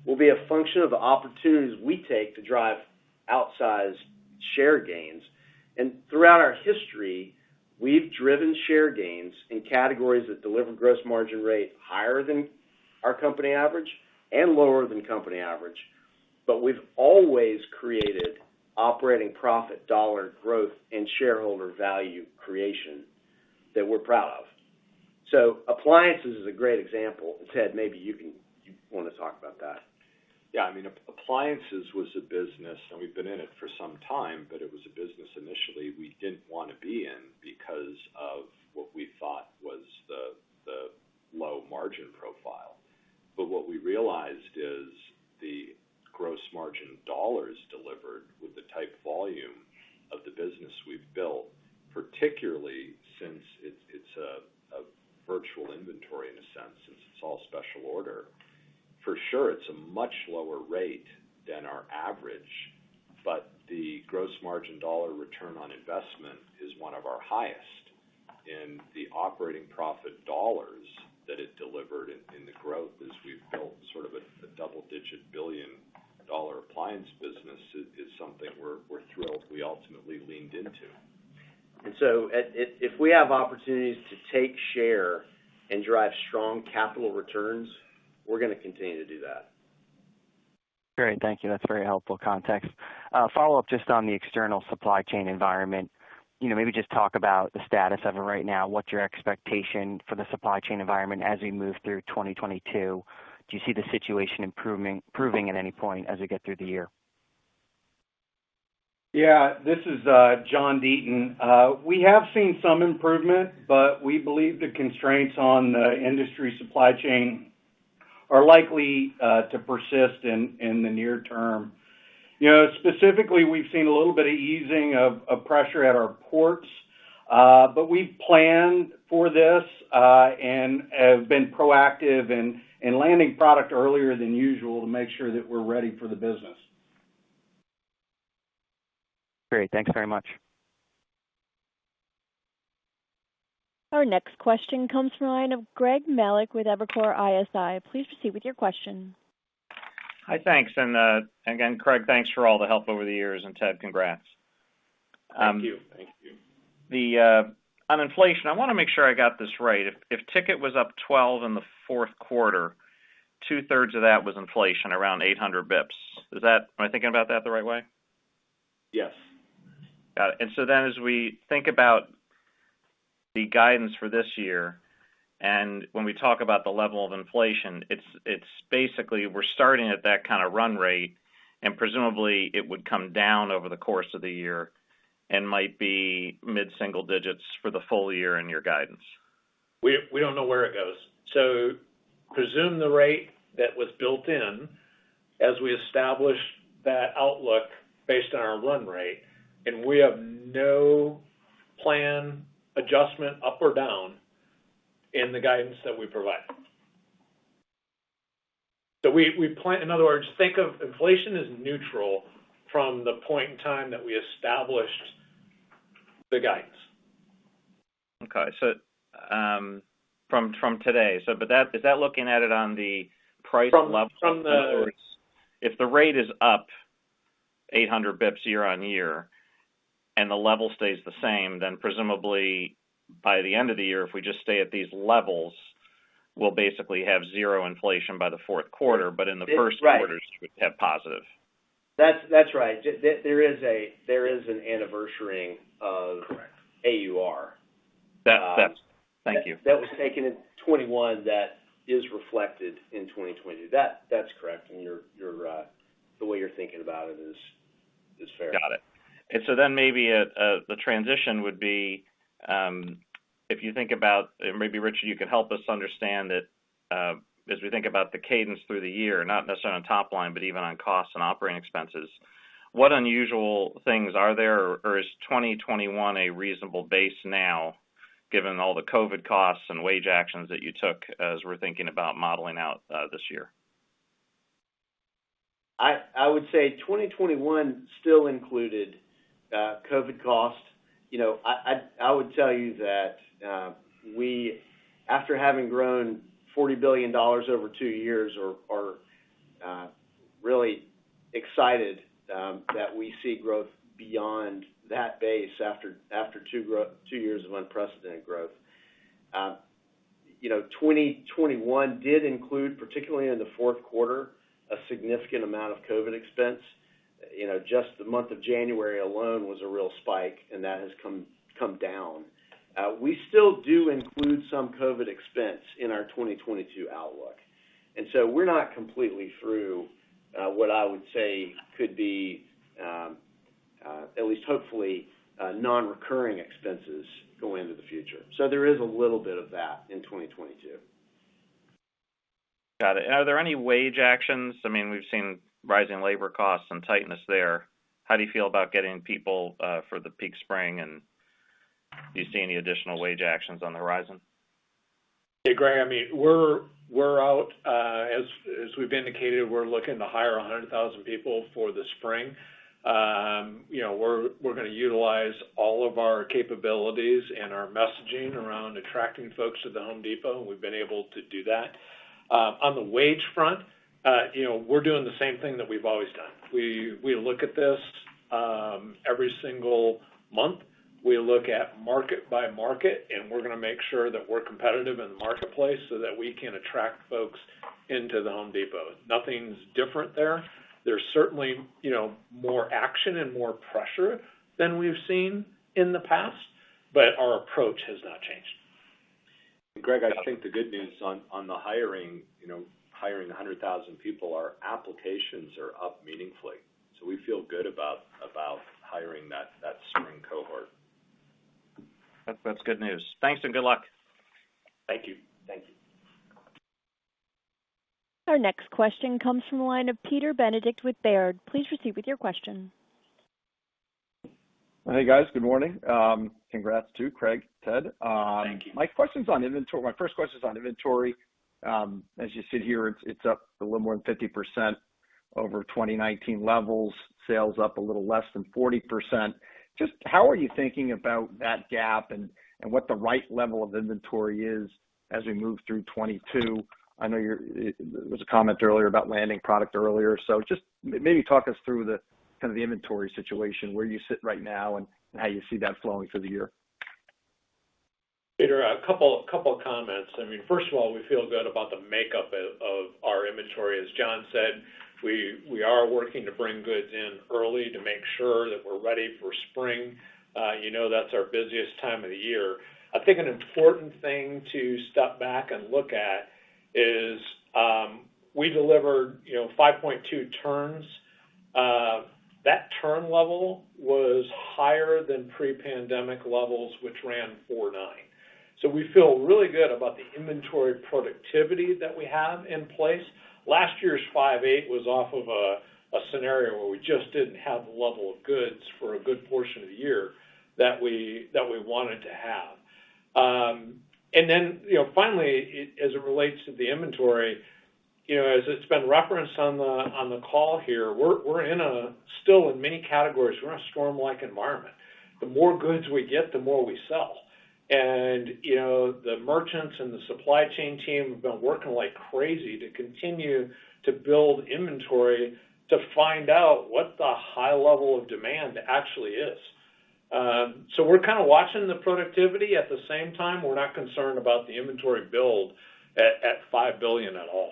will be a function of the opportunities we take to drive outsized share gains. Throughout our history, we've driven share gains in categories that deliver gross margin rate higher than our company average and lower than company average. We've always created operating profit dollar growth and shareholder value creation that we're proud of. Appliances is a great example. Ted, maybe you wanna talk about that. Yeah. I mean, appliances was a business, and we've been in it for some time, but it was a business initially we didn't wanna be in because of what we thought was the low margin profile. What we realized is the gross margin dollars delivered with the type volume of the business we've built, particularly since it's a virtual inventory in a sense, since it's all special order. For sure, it's a much lower rate than our average, but the gross margin dollar return on investment is one of our highest. The operating profit dollars that it delivered in the growth as we've built sort of a double-digit billion-dollar appliance business is something we're thrilled we ultimately leaned into. If we have opportunities to take share and drive strong capital returns, we're gonna continue to do that. Great. Thank you. That's very helpful context. Follow up just on the external supply chain environment. You know, maybe just talk about the status of it right now, what's your expectation for the supply chain environment as we move through 2022? Do you see the situation improving at any point as we get through the year? Yeah. This is John Deaton. We have seen some improvement, but we believe the constraints on the industry supply chain are likely to persist in the near term. You know, specifically, we've seen a little bit of easing of pressure at our ports, but we've planned for this and have been proactive in landing product earlier than usual to make sure that we're ready for the business. Great. Thanks very much. Our next question comes from the line of Greg Melich with Evercore ISI. Please proceed with your question. Hi. Thanks. Again, Craig, thanks for all the help over the years, and Ted, congrats. Thank you. Thank you. On inflation, I want to make sure I got this right. If ticket was up 12% in the fourth quarter, 2/3 of that was inflation around 800 basis points. Is that right? Am I thinking about that the right way? Yes. Got it. As we think about the guidance for this year, and when we talk about the level of inflation, it's basically we're starting at that kind of run rate, and presumably it would come down over the course of the year and might be mid-single digits for the full year in your guidance. We don't know where it goes. Presume the rate that was built in as we established that outlook based on our run rate, and we have no plan adjustment up or down in the guidance that we provided. In other words, think of inflation as neutral from the point in time that we established the guidance. From today, is that looking at it on the price level? From the- In other words, if the rate is up 800 basis points year-over-year and the level stays the same, then presumably by the end of the year, if we just stay at these levels, we'll basically have 0 inflation by the fourth quarter, but in the first quarter. Right You should have positive. That's right. There is an anniversarying of- Correct AUR. That's. Thank you. That was taken in 2021, that is reflected in 2022. That's correct, and you're the way you're thinking about it is fair. Got it. Maybe the transition would be if you think about, and maybe, Richard, you can help us understand it, as we think about the cadence through the year, not necessarily on top line, but even on costs and operating expenses, what unusual things are there or is 2021 a reasonable base now given all the COVID costs and wage actions that you took as we're thinking about modeling out this year? I would say 2021 still included COVID cost. You know, I would tell you that we, after having grown $40 billion over two years, are really excited that we see growth beyond that base after two years of unprecedented growth. You know, 2021 did include, particularly in the fourth quarter, a significant amount of COVID expense. You know, just the month of January alone was a real spike, and that has come down. We still do include some COVID expense in our 2022 outlook. We're not completely through what I would say could be at least hopefully non-recurring expenses going into the future. There is a little bit of that in 2022. Got it. Are there any wage actions? I mean, we've seen rising labor costs and tightness there. How do you feel about getting people for the peak spring, and do you see any additional wage actions on the horizon? Hey, Greg, I mean, we're out. As we've indicated, we're looking to hire 100,000 people for the spring. You know, we're gonna utilize all of our capabilities and our messaging around attracting folks to The Home Depot, and we've been able to do that. On the wage front, you know, we're doing the same thing that we've always done. We look at this every single month. We look at market by market, and we're gonna make sure that we're competitive in the marketplace so that we can attract folks into The Home Depot. Nothing's different there. There's certainly, you know, more action and more pressure than we've seen in the past, but our approach has not changed. Got it. Greg, I think the good news on the hiring, you know, hiring 100,000 people, our applications are up meaningfully. We feel good about hiring that spring cohort. That's good news. Thanks and good luck. Thank you. Thank you. Our next question comes from the line of Peter Benedict with Baird. Please proceed with your question. Hey, guys. Good morning. Congrats to Craig, Ted. Thank you. My first question's on inventory. As you sit here, it's up a little more than 50% over 2019 levels. Sales up a little less than 40%. Just how are you thinking about that gap and what the right level of inventory is as we move through 2022? I know it was a comment earlier about landing product earlier. Just maybe talk us through kind of the inventory situation, where you sit right now and how you see that flowing through the year. Peter, a couple of comments. I mean, first of all, we feel good about the makeup of our inventory. As John said, we are working to bring goods in early to make sure that we're ready for spring. You know that's our busiest time of the year. I think an important thing to step back and look at is we delivered, you know, 5.2 turns. That turn level was higher than pre-pandemic levels, which ran 4.9 turns. We feel really good about the inventory productivity that we have in place. Last year's 5.8 turns was off of a scenario where we just didn't have the level of goods for a good portion of the year that we wanted to have. You know, finally, as it relates to the inventory, you know, as it's been referenced on the call here, we're still in many categories, we're in a storm-like environment. The more goods we get, the more we sell. You know, the merchants and the supply chain team have been working like crazy to continue to build inventory to find out what the high level of demand actually is. We're kind of watching the productivity. At the same time, we're not concerned about the inventory build at $5 billion at all.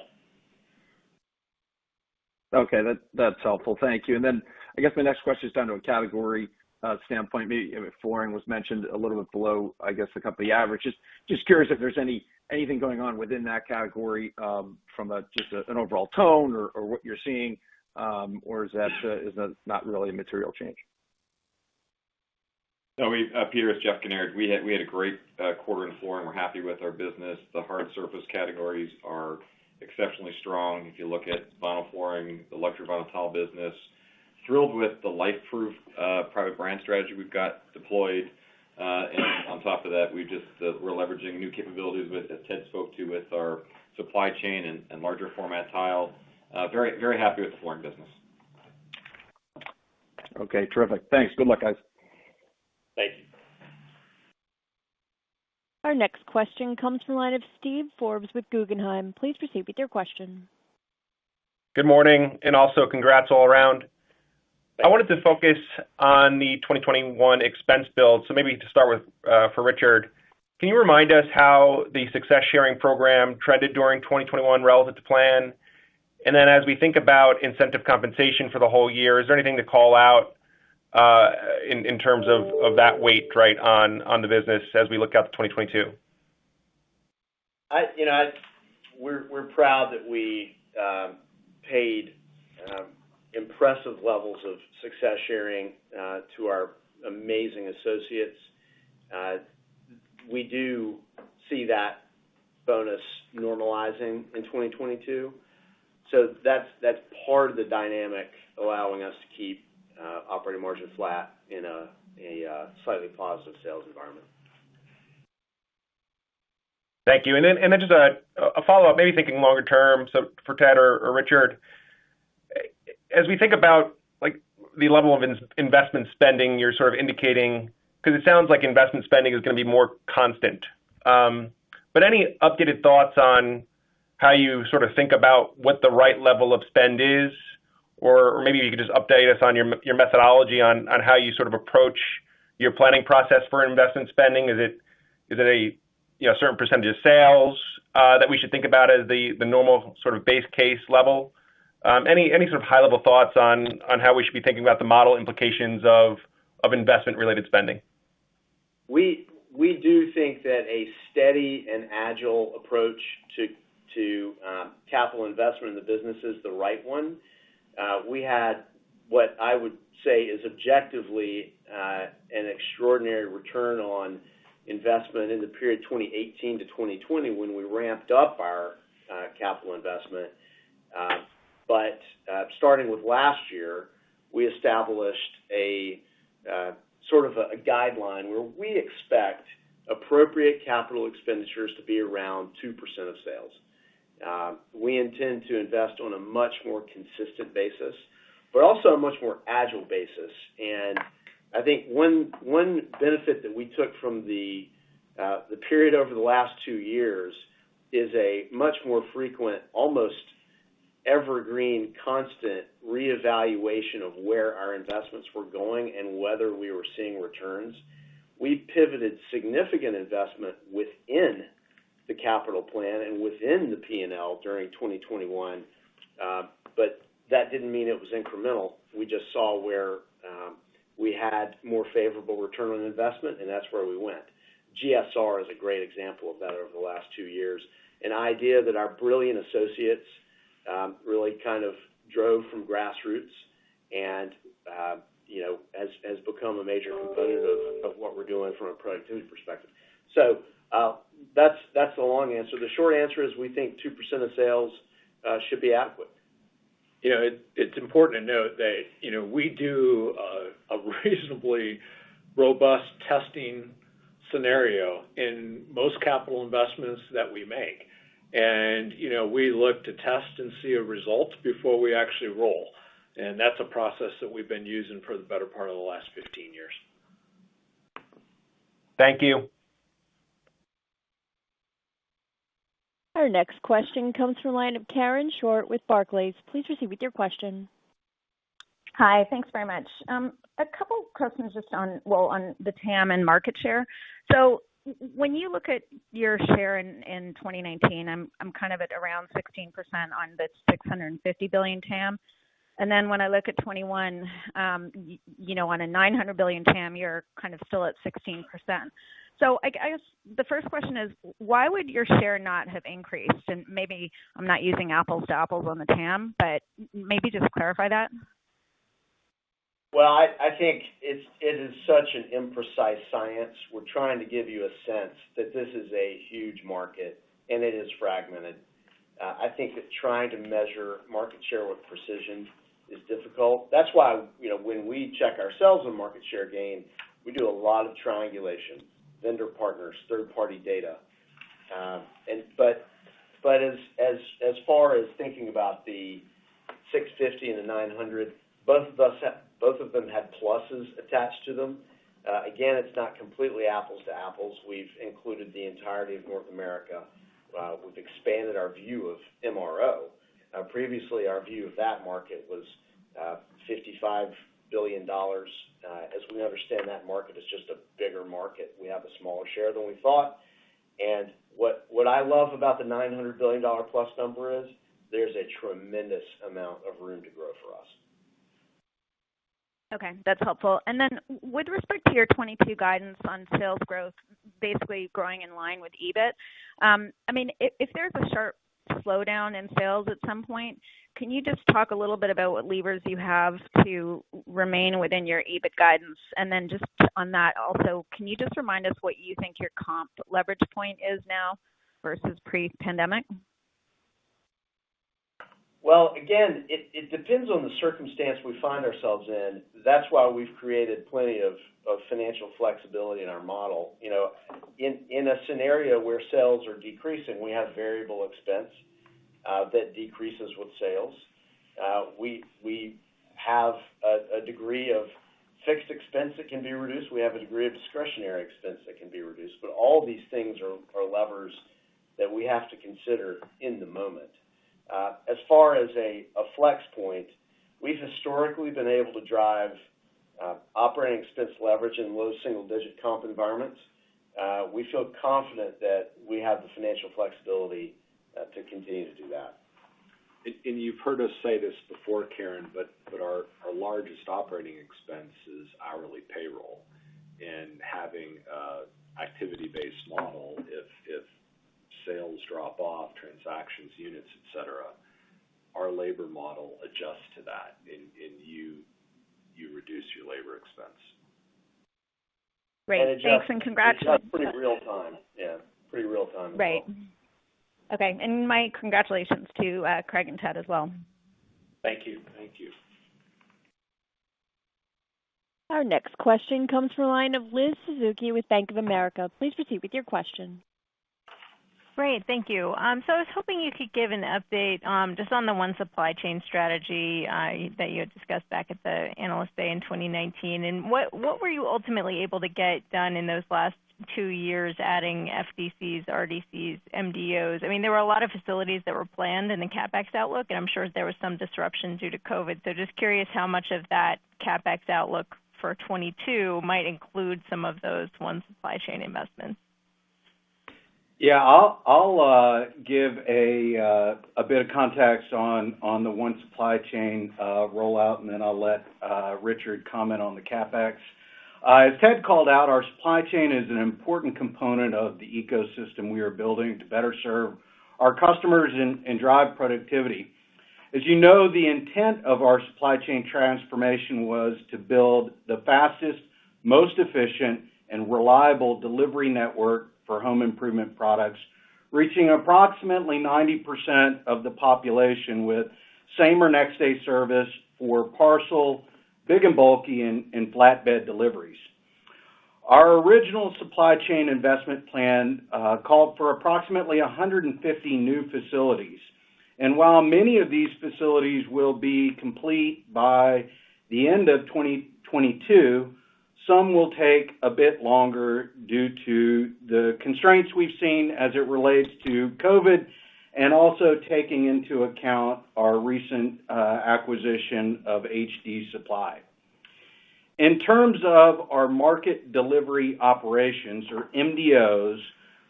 Okay. That's helpful. Thank you. I guess my next question is down to a category standpoint. Maybe, I mean, flooring was mentioned a little bit below, I guess, a couple of averages. Just curious if there's anything going on within that category, from just an overall tone or what you're seeing, or is that not really a material change? Peter, it's Jeff Kinnaird. We had a great quarter in flooring. We're happy with our business. The hard surface categories are exceptionally strong. If you look at vinyl flooring, the luxury vinyl tile business, thrilled with the LifeProof private brand strategy we've got deployed. And on top of that, we're leveraging new capabilities with, as Ted spoke to, with our supply chain and larger format tile. Very happy with the flooring business. Okay. Terrific. Thanks. Good luck, guys. Thank you. Our next question comes from the line of Steven Forbes with Guggenheim. Please proceed with your question. Good morning, and also congrats all around. I wanted to focus on the 2021 expense build. Maybe to start with, for Richard, can you remind us how the Success Sharing program trended during 2021 relevant to plan? As we think about incentive compensation for the whole year, is there anything to call out in terms of that weight right on the business as we look out to 2022? You know, we're proud that we paid impressive levels of Success Sharing to our amazing associates. We do see that bonus normalizing in 2022. That's part of the dynamic allowing us to keep operating margins flat in a slightly positive sales environment. Thank you. Just a follow-up, maybe thinking longer term for Ted or Richard. As we think about, like, the level of investment spending, you're sort of indicating because it sounds like investment spending is gonna be more constant. Any updated thoughts on how you sort of think about what the right level of spend is, or maybe you could just update us on your methodology on how you sort of approach your planning process for investment spending. Is it you know a certain percentage of sales that we should think about as the normal sort of base case level? Any sort of high-level thoughts on how we should be thinking about the model implications of investment-related spending? We do think that a steady and agile approach to capital investment in the business is the right one. We had what I would say is objectively an extraordinary return on investment in the period 2018 to 2020 when we ramped up our capital investment. But starting with last year, we established a sort of a guideline where we expect appropriate capital expenditures to be around 2% of sales. We intend to invest on a much more consistent basis, but also a much more agile basis. I think one benefit that we took from the period over the last two years is a much more frequent, almost evergreen constant reevaluation of where our investments were going and whether we were seeing returns. We pivoted significant investment within the capital plan and within the P&L during 2021, but that didn't mean it was incremental. We just saw where we had more favorable return on investment, and that's where we went. GSR is a great example of that over the last two years, an idea that our brilliant associates really kind of drove from grassroots and you know has become a major component of what we're doing from a productivity perspective. That's the long answer. The short answer is we think 2% of sales should be adequate. You know, it's important to note that you know we do a reasonably robust testing scenario in most capital investments that we make. You know, we look to test and see a result before we actually roll. That's a process that we've been using for the better part of the last 15 years. Thank you. Our next question comes from the line of Karen Short with Barclays. Please proceed with your question. Hi. Thanks very much. A couple questions just on the TAM and market share. When you look at your share in 2019, I'm kind of at around 16% on this $650 billion TAM. When I look at 2021, on a $900 billion TAM, you're kind of still at 16%. I guess the first question is, why would your share not have increased? Maybe I'm not using apples to apples on the TAM, but maybe just clarify that. Well, I think it is such an imprecise science. We're trying to give you a sense that this is a huge market, and it is fragmented. I think that trying to measure market share with precision is difficult. That's why, you know, when we check ourselves on market share gain, we do a lot of triangulation, vendor partners, third-party data. But as far as thinking about the 650 and the 900, both of them had pluses attached to them. Again, it's not completely apples to apples. We've included the entirety of North America. We've expanded our view of MRO. Previously, our view of that market was $55 billion. As we understand, that market is just a bigger market. We have a smaller share than we thought. What I love about the $900 billion+ number is there's a tremendous amount of room to grow for us. Okay, that's helpful. With respect to your 2022 guidance on sales growth, basically growing in line with EBIT. I mean, if there's a sharp slowdown in sales at some point, can you just talk a little bit about what levers you have to remain within your EBIT guidance? Just on that also, can you just remind us what you think your comp leverage point is now versus pre-pandemic? Well, again, it depends on the circumstance we find ourselves in. That's why we've created plenty of financial flexibility in our model. You know, in a scenario where sales are decreasing, we have variable expense that decreases with sales. We have a degree of fixed expense that can be reduced. We have a degree of discretionary expense that can be reduced. But all these things are levers that we have to consider in the moment. As far as a flex point, we've historically been able to drive operating expense leverage in low single digit comp environments. We feel confident that we have the financial flexibility to continue to do that. You've heard us say this before, Karen, but our largest operating expense is hourly payroll. Having an activity-based model, if sales drop off, transactions, units, et cetera, our labor model adjusts to that and you reduce your labor expense. Great. Thanks and congrats. It's pretty real time. Yeah, pretty real time as well. Right. Okay. My congratulations to Craig and Ted as well. Thank you. Thank you. Our next question comes from the line of Liz Suzuki with Bank of America. Please proceed with your question. Great. Thank you. I was hoping you could give an update, just on the One Supply Chain strategy, that you had discussed back at the Analyst Day in 2019. What were you ultimately able to get done in those last two years, adding FDCs, RDCs, MDOs? I mean, there were a lot of facilities that were planned in the CapEx outlook, and I'm sure there was some disruption due to COVID. Just curious how much of that CapEx outlook for 2022 might include some of those One Supply Chain investments. I'll give a bit of context on the One Supply Chain rollout, and then I'll let Richard comment on the CapEx. As Ted called out, our supply chain is an important component of the ecosystem we are building to better serve our customers and drive productivity. As you know, the intent of our supply chain transformation was to build the fastest, most efficient, and reliable delivery network for home improvement products, reaching approximately 90% of the population with same or next day service for parcel, big and bulky, and flatbed deliveries. Our original supply chain investment plan called for approximately 150 new facilities. While many of these facilities will be complete by the end of 2022, some will take a bit longer due to the constraints we've seen as it relates to COVID and also taking into account our recent acquisition of HD Supply. In terms of our market delivery operations or MDOs,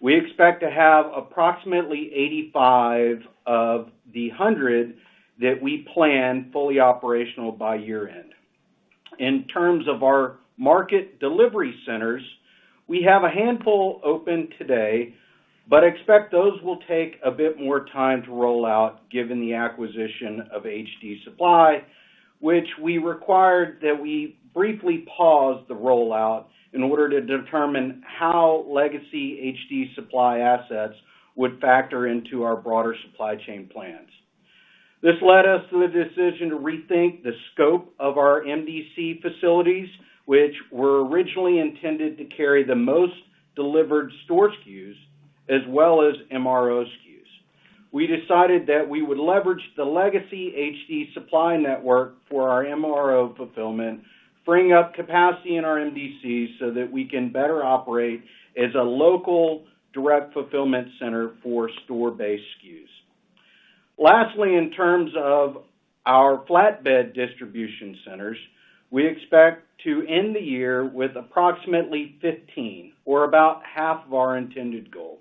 we expect to have approximately 85 market delivery operations of the 100 market delivery operations that we plan fully operational by year-end. In terms of our market delivery centers, we have a handful open today, but expect those will take a bit more time to roll out given the acquisition of HD Supply, which we required that we briefly pause the rollout in order to determine how legacy HD Supply assets would factor into our broader supply chain plans. This led us to the decision to rethink the scope of our MDC facilities, which were originally intended to carry the most delivered store SKUs as well as MRO SKUs. We decided that we would leverage the legacy HD Supply network for our MRO fulfillment, freeing up capacity in our MDCs so that we can better operate as a local direct fulfillment center for store-based SKUs. Lastly, in terms of our flatbed distribution centers, we expect to end the year with approximately 15 or about half of our intended goal.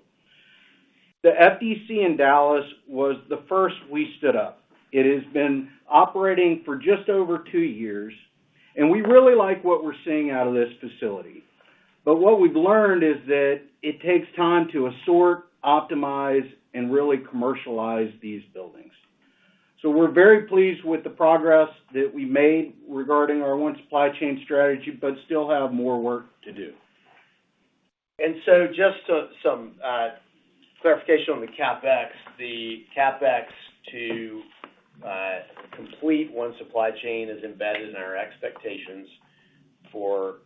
The FDC in Dallas was the first we stood up. It has been operating for just over two years, and we really like what we're seeing out of this facility. What we've learned is that it takes time to assort, optimize, and really commercialize these buildings. We're very pleased with the progress that we made regarding our One Supply Chain strategy, but still have more work to do. Just some clarification on the CapEx. The CapEx to complete One Supply Chain is embedded in our expectations for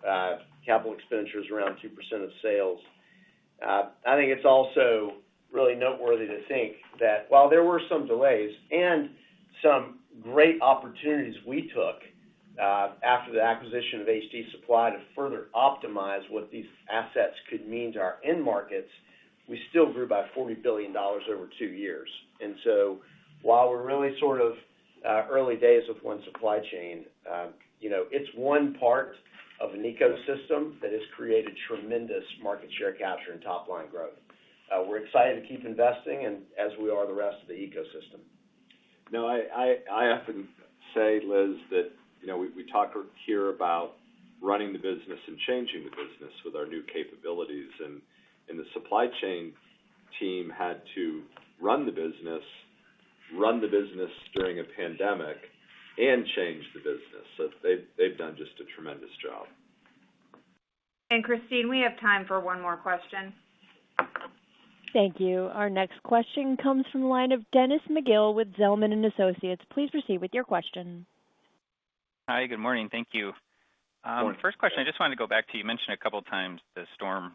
capital expenditures around 2% of sales. I think it's also really noteworthy to think that while there were some delays and some great opportunities we took after the acquisition of HD Supply to further optimize what these assets could mean to our end markets, we still grew by $40 billion over two years. While we're really sort of early days with One Supply Chain, you know, it's one part of an ecosystem that has created tremendous market share capture and top line growth. We're excited to keep investing and as we are the rest of the ecosystem. No, I often say, Liz, that you know we talk or hear about running the business and changing the business with our new capabilities. The supply chain team had to run the business during a pandemic and change the business. They've done just a tremendous job. Christine, we have time for one more question. Thank you. Our next question comes from the line of Dennis McGill with Zelman & Associates. Please proceed with your question. Hi, good morning. Thank you. Good morning. First question, I just wanted to go back to you mentioned a couple of times the storm,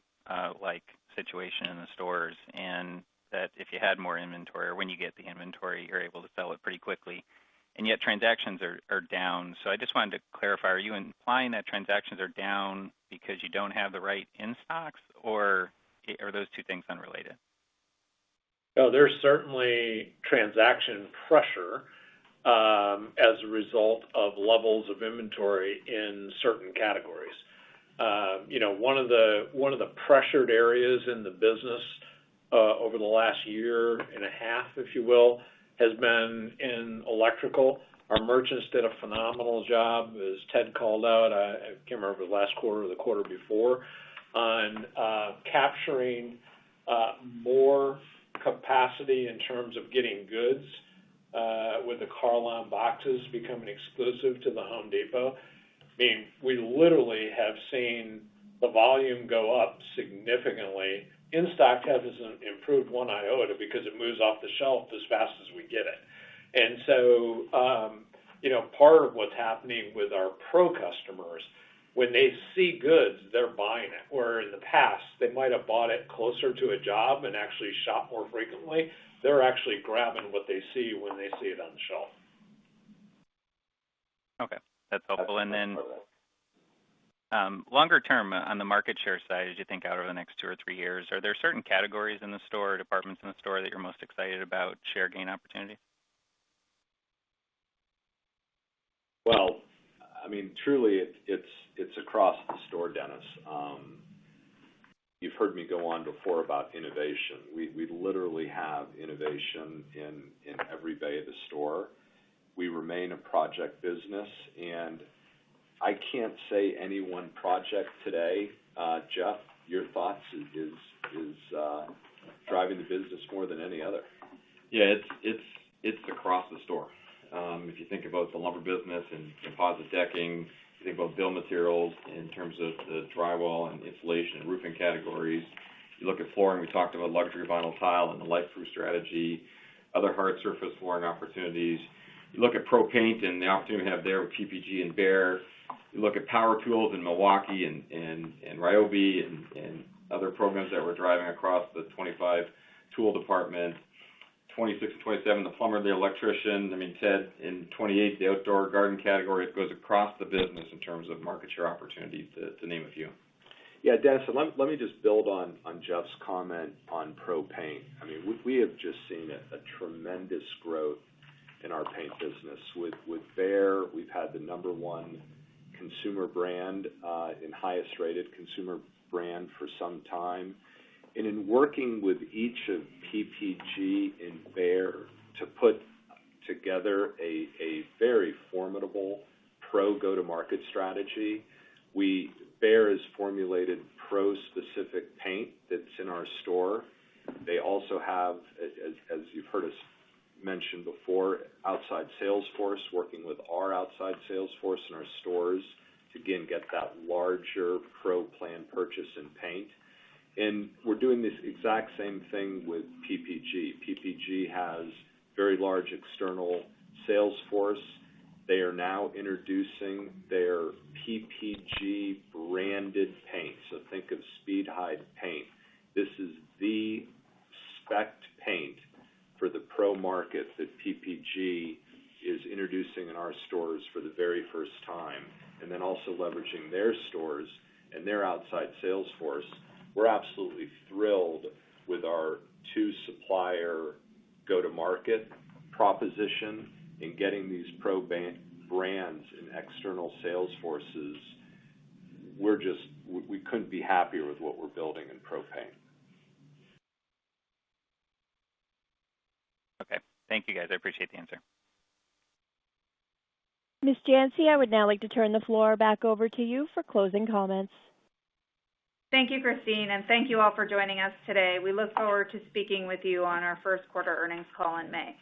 like situation in the stores, and that if you had more inventory or when you get the inventory, you're able to sell it pretty quickly, and yet transactions are down. I just wanted to clarify, are you implying that transactions are down because you don't have the right in-stocks, or are those two things unrelated? No, there's certainly transaction pressure as a result of levels of inventory in certain categories. You know, one of the pressured areas in the business over the last year and a half, if you will, has been in electrical. Our merchants did a phenomenal job. As Ted called out, I can't remember if it was last quarter or the quarter before, on capturing more capacity in terms of getting goods with the Carlon boxes becoming exclusive to The Home Depot. I mean, we literally have seen the volume go up significantly. In-stock hasn't improved one iota because it moves off the shelf as fast as we get it. You know, part of what's happening with our pro customers, when they see goods, they're buying it, where in the past, they might have bought it closer to a job and actually shop more frequently. They're actually grabbing what they see when they see it on the shelf. Okay. That's helpful. Longer term on the market share side, as you think out over the next two or three years, are there certain categories in the store or departments in the store that you're most excited about share gain opportunity? I mean, truly it's across the store, Dennis. You've heard me go on before about innovation. We literally have innovation in every bay of the store. We remain a project business, and I can't say any one project today. Jeff, your thoughts is driving the business more than any other. Yeah, it's across the store. If you think about the lumber business and composite decking, you think about building materials in terms of the drywall and insulation, roofing categories. You look at flooring, we talked about luxury vinyl tile and the LifeProof strategy, other hard surface flooring opportunities. You look at pro paint and the opportunity we have there with PPG and Behr. You look at power tools in Milwaukee and Ryobi and other programs that we're driving across the 25 tool departments. 26 the plumber and 27 the electrician. I mean, Ted, in 28, the outdoor garden category, it goes across the business in terms of market share opportunity, to name a few. Yeah, Dennis, let me just build on Jeff's comment on pro paint. I mean, we have just seen a tremendous growth in our paint business. With Behr, we've had the number one consumer brand and highest rated consumer brand for some time. In working with each of PPG and Behr to put together a very formidable pro go-to-market strategy, Behr has formulated pro-specific paint that's in our store. They also have, as you've heard us mention before, outside sales force, working with our outside sales force in our stores to again get that larger pro-planned purchase in paint. We're doing this exact same thing with PPG. PPG has very large external sales force. They are now introducing their PPG-branded paint. So think of Speedhide paint. This is the spec paint for the pro market that PPG is introducing in our stores for the very first time, and then also leveraging their stores and their outside sales force. We're absolutely thrilled with our two-supplier go-to-market proposition in getting these pro brands and external sales forces. We couldn't be happier with what we're building in pro paint. Okay. Thank you, guys. I appreciate the answer. Ms. Janci, I would now like to turn the floor back over to you for closing comments. Thank you, Christine, and thank you all for joining us today. We look forward to speaking with you on our first quarter earnings call in May.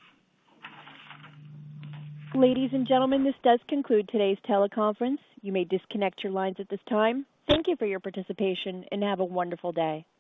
Ladies and gentlemen, this does conclude today's teleconference. You may disconnect your lines at this time. Thank you for your participation, and have a wonderful day.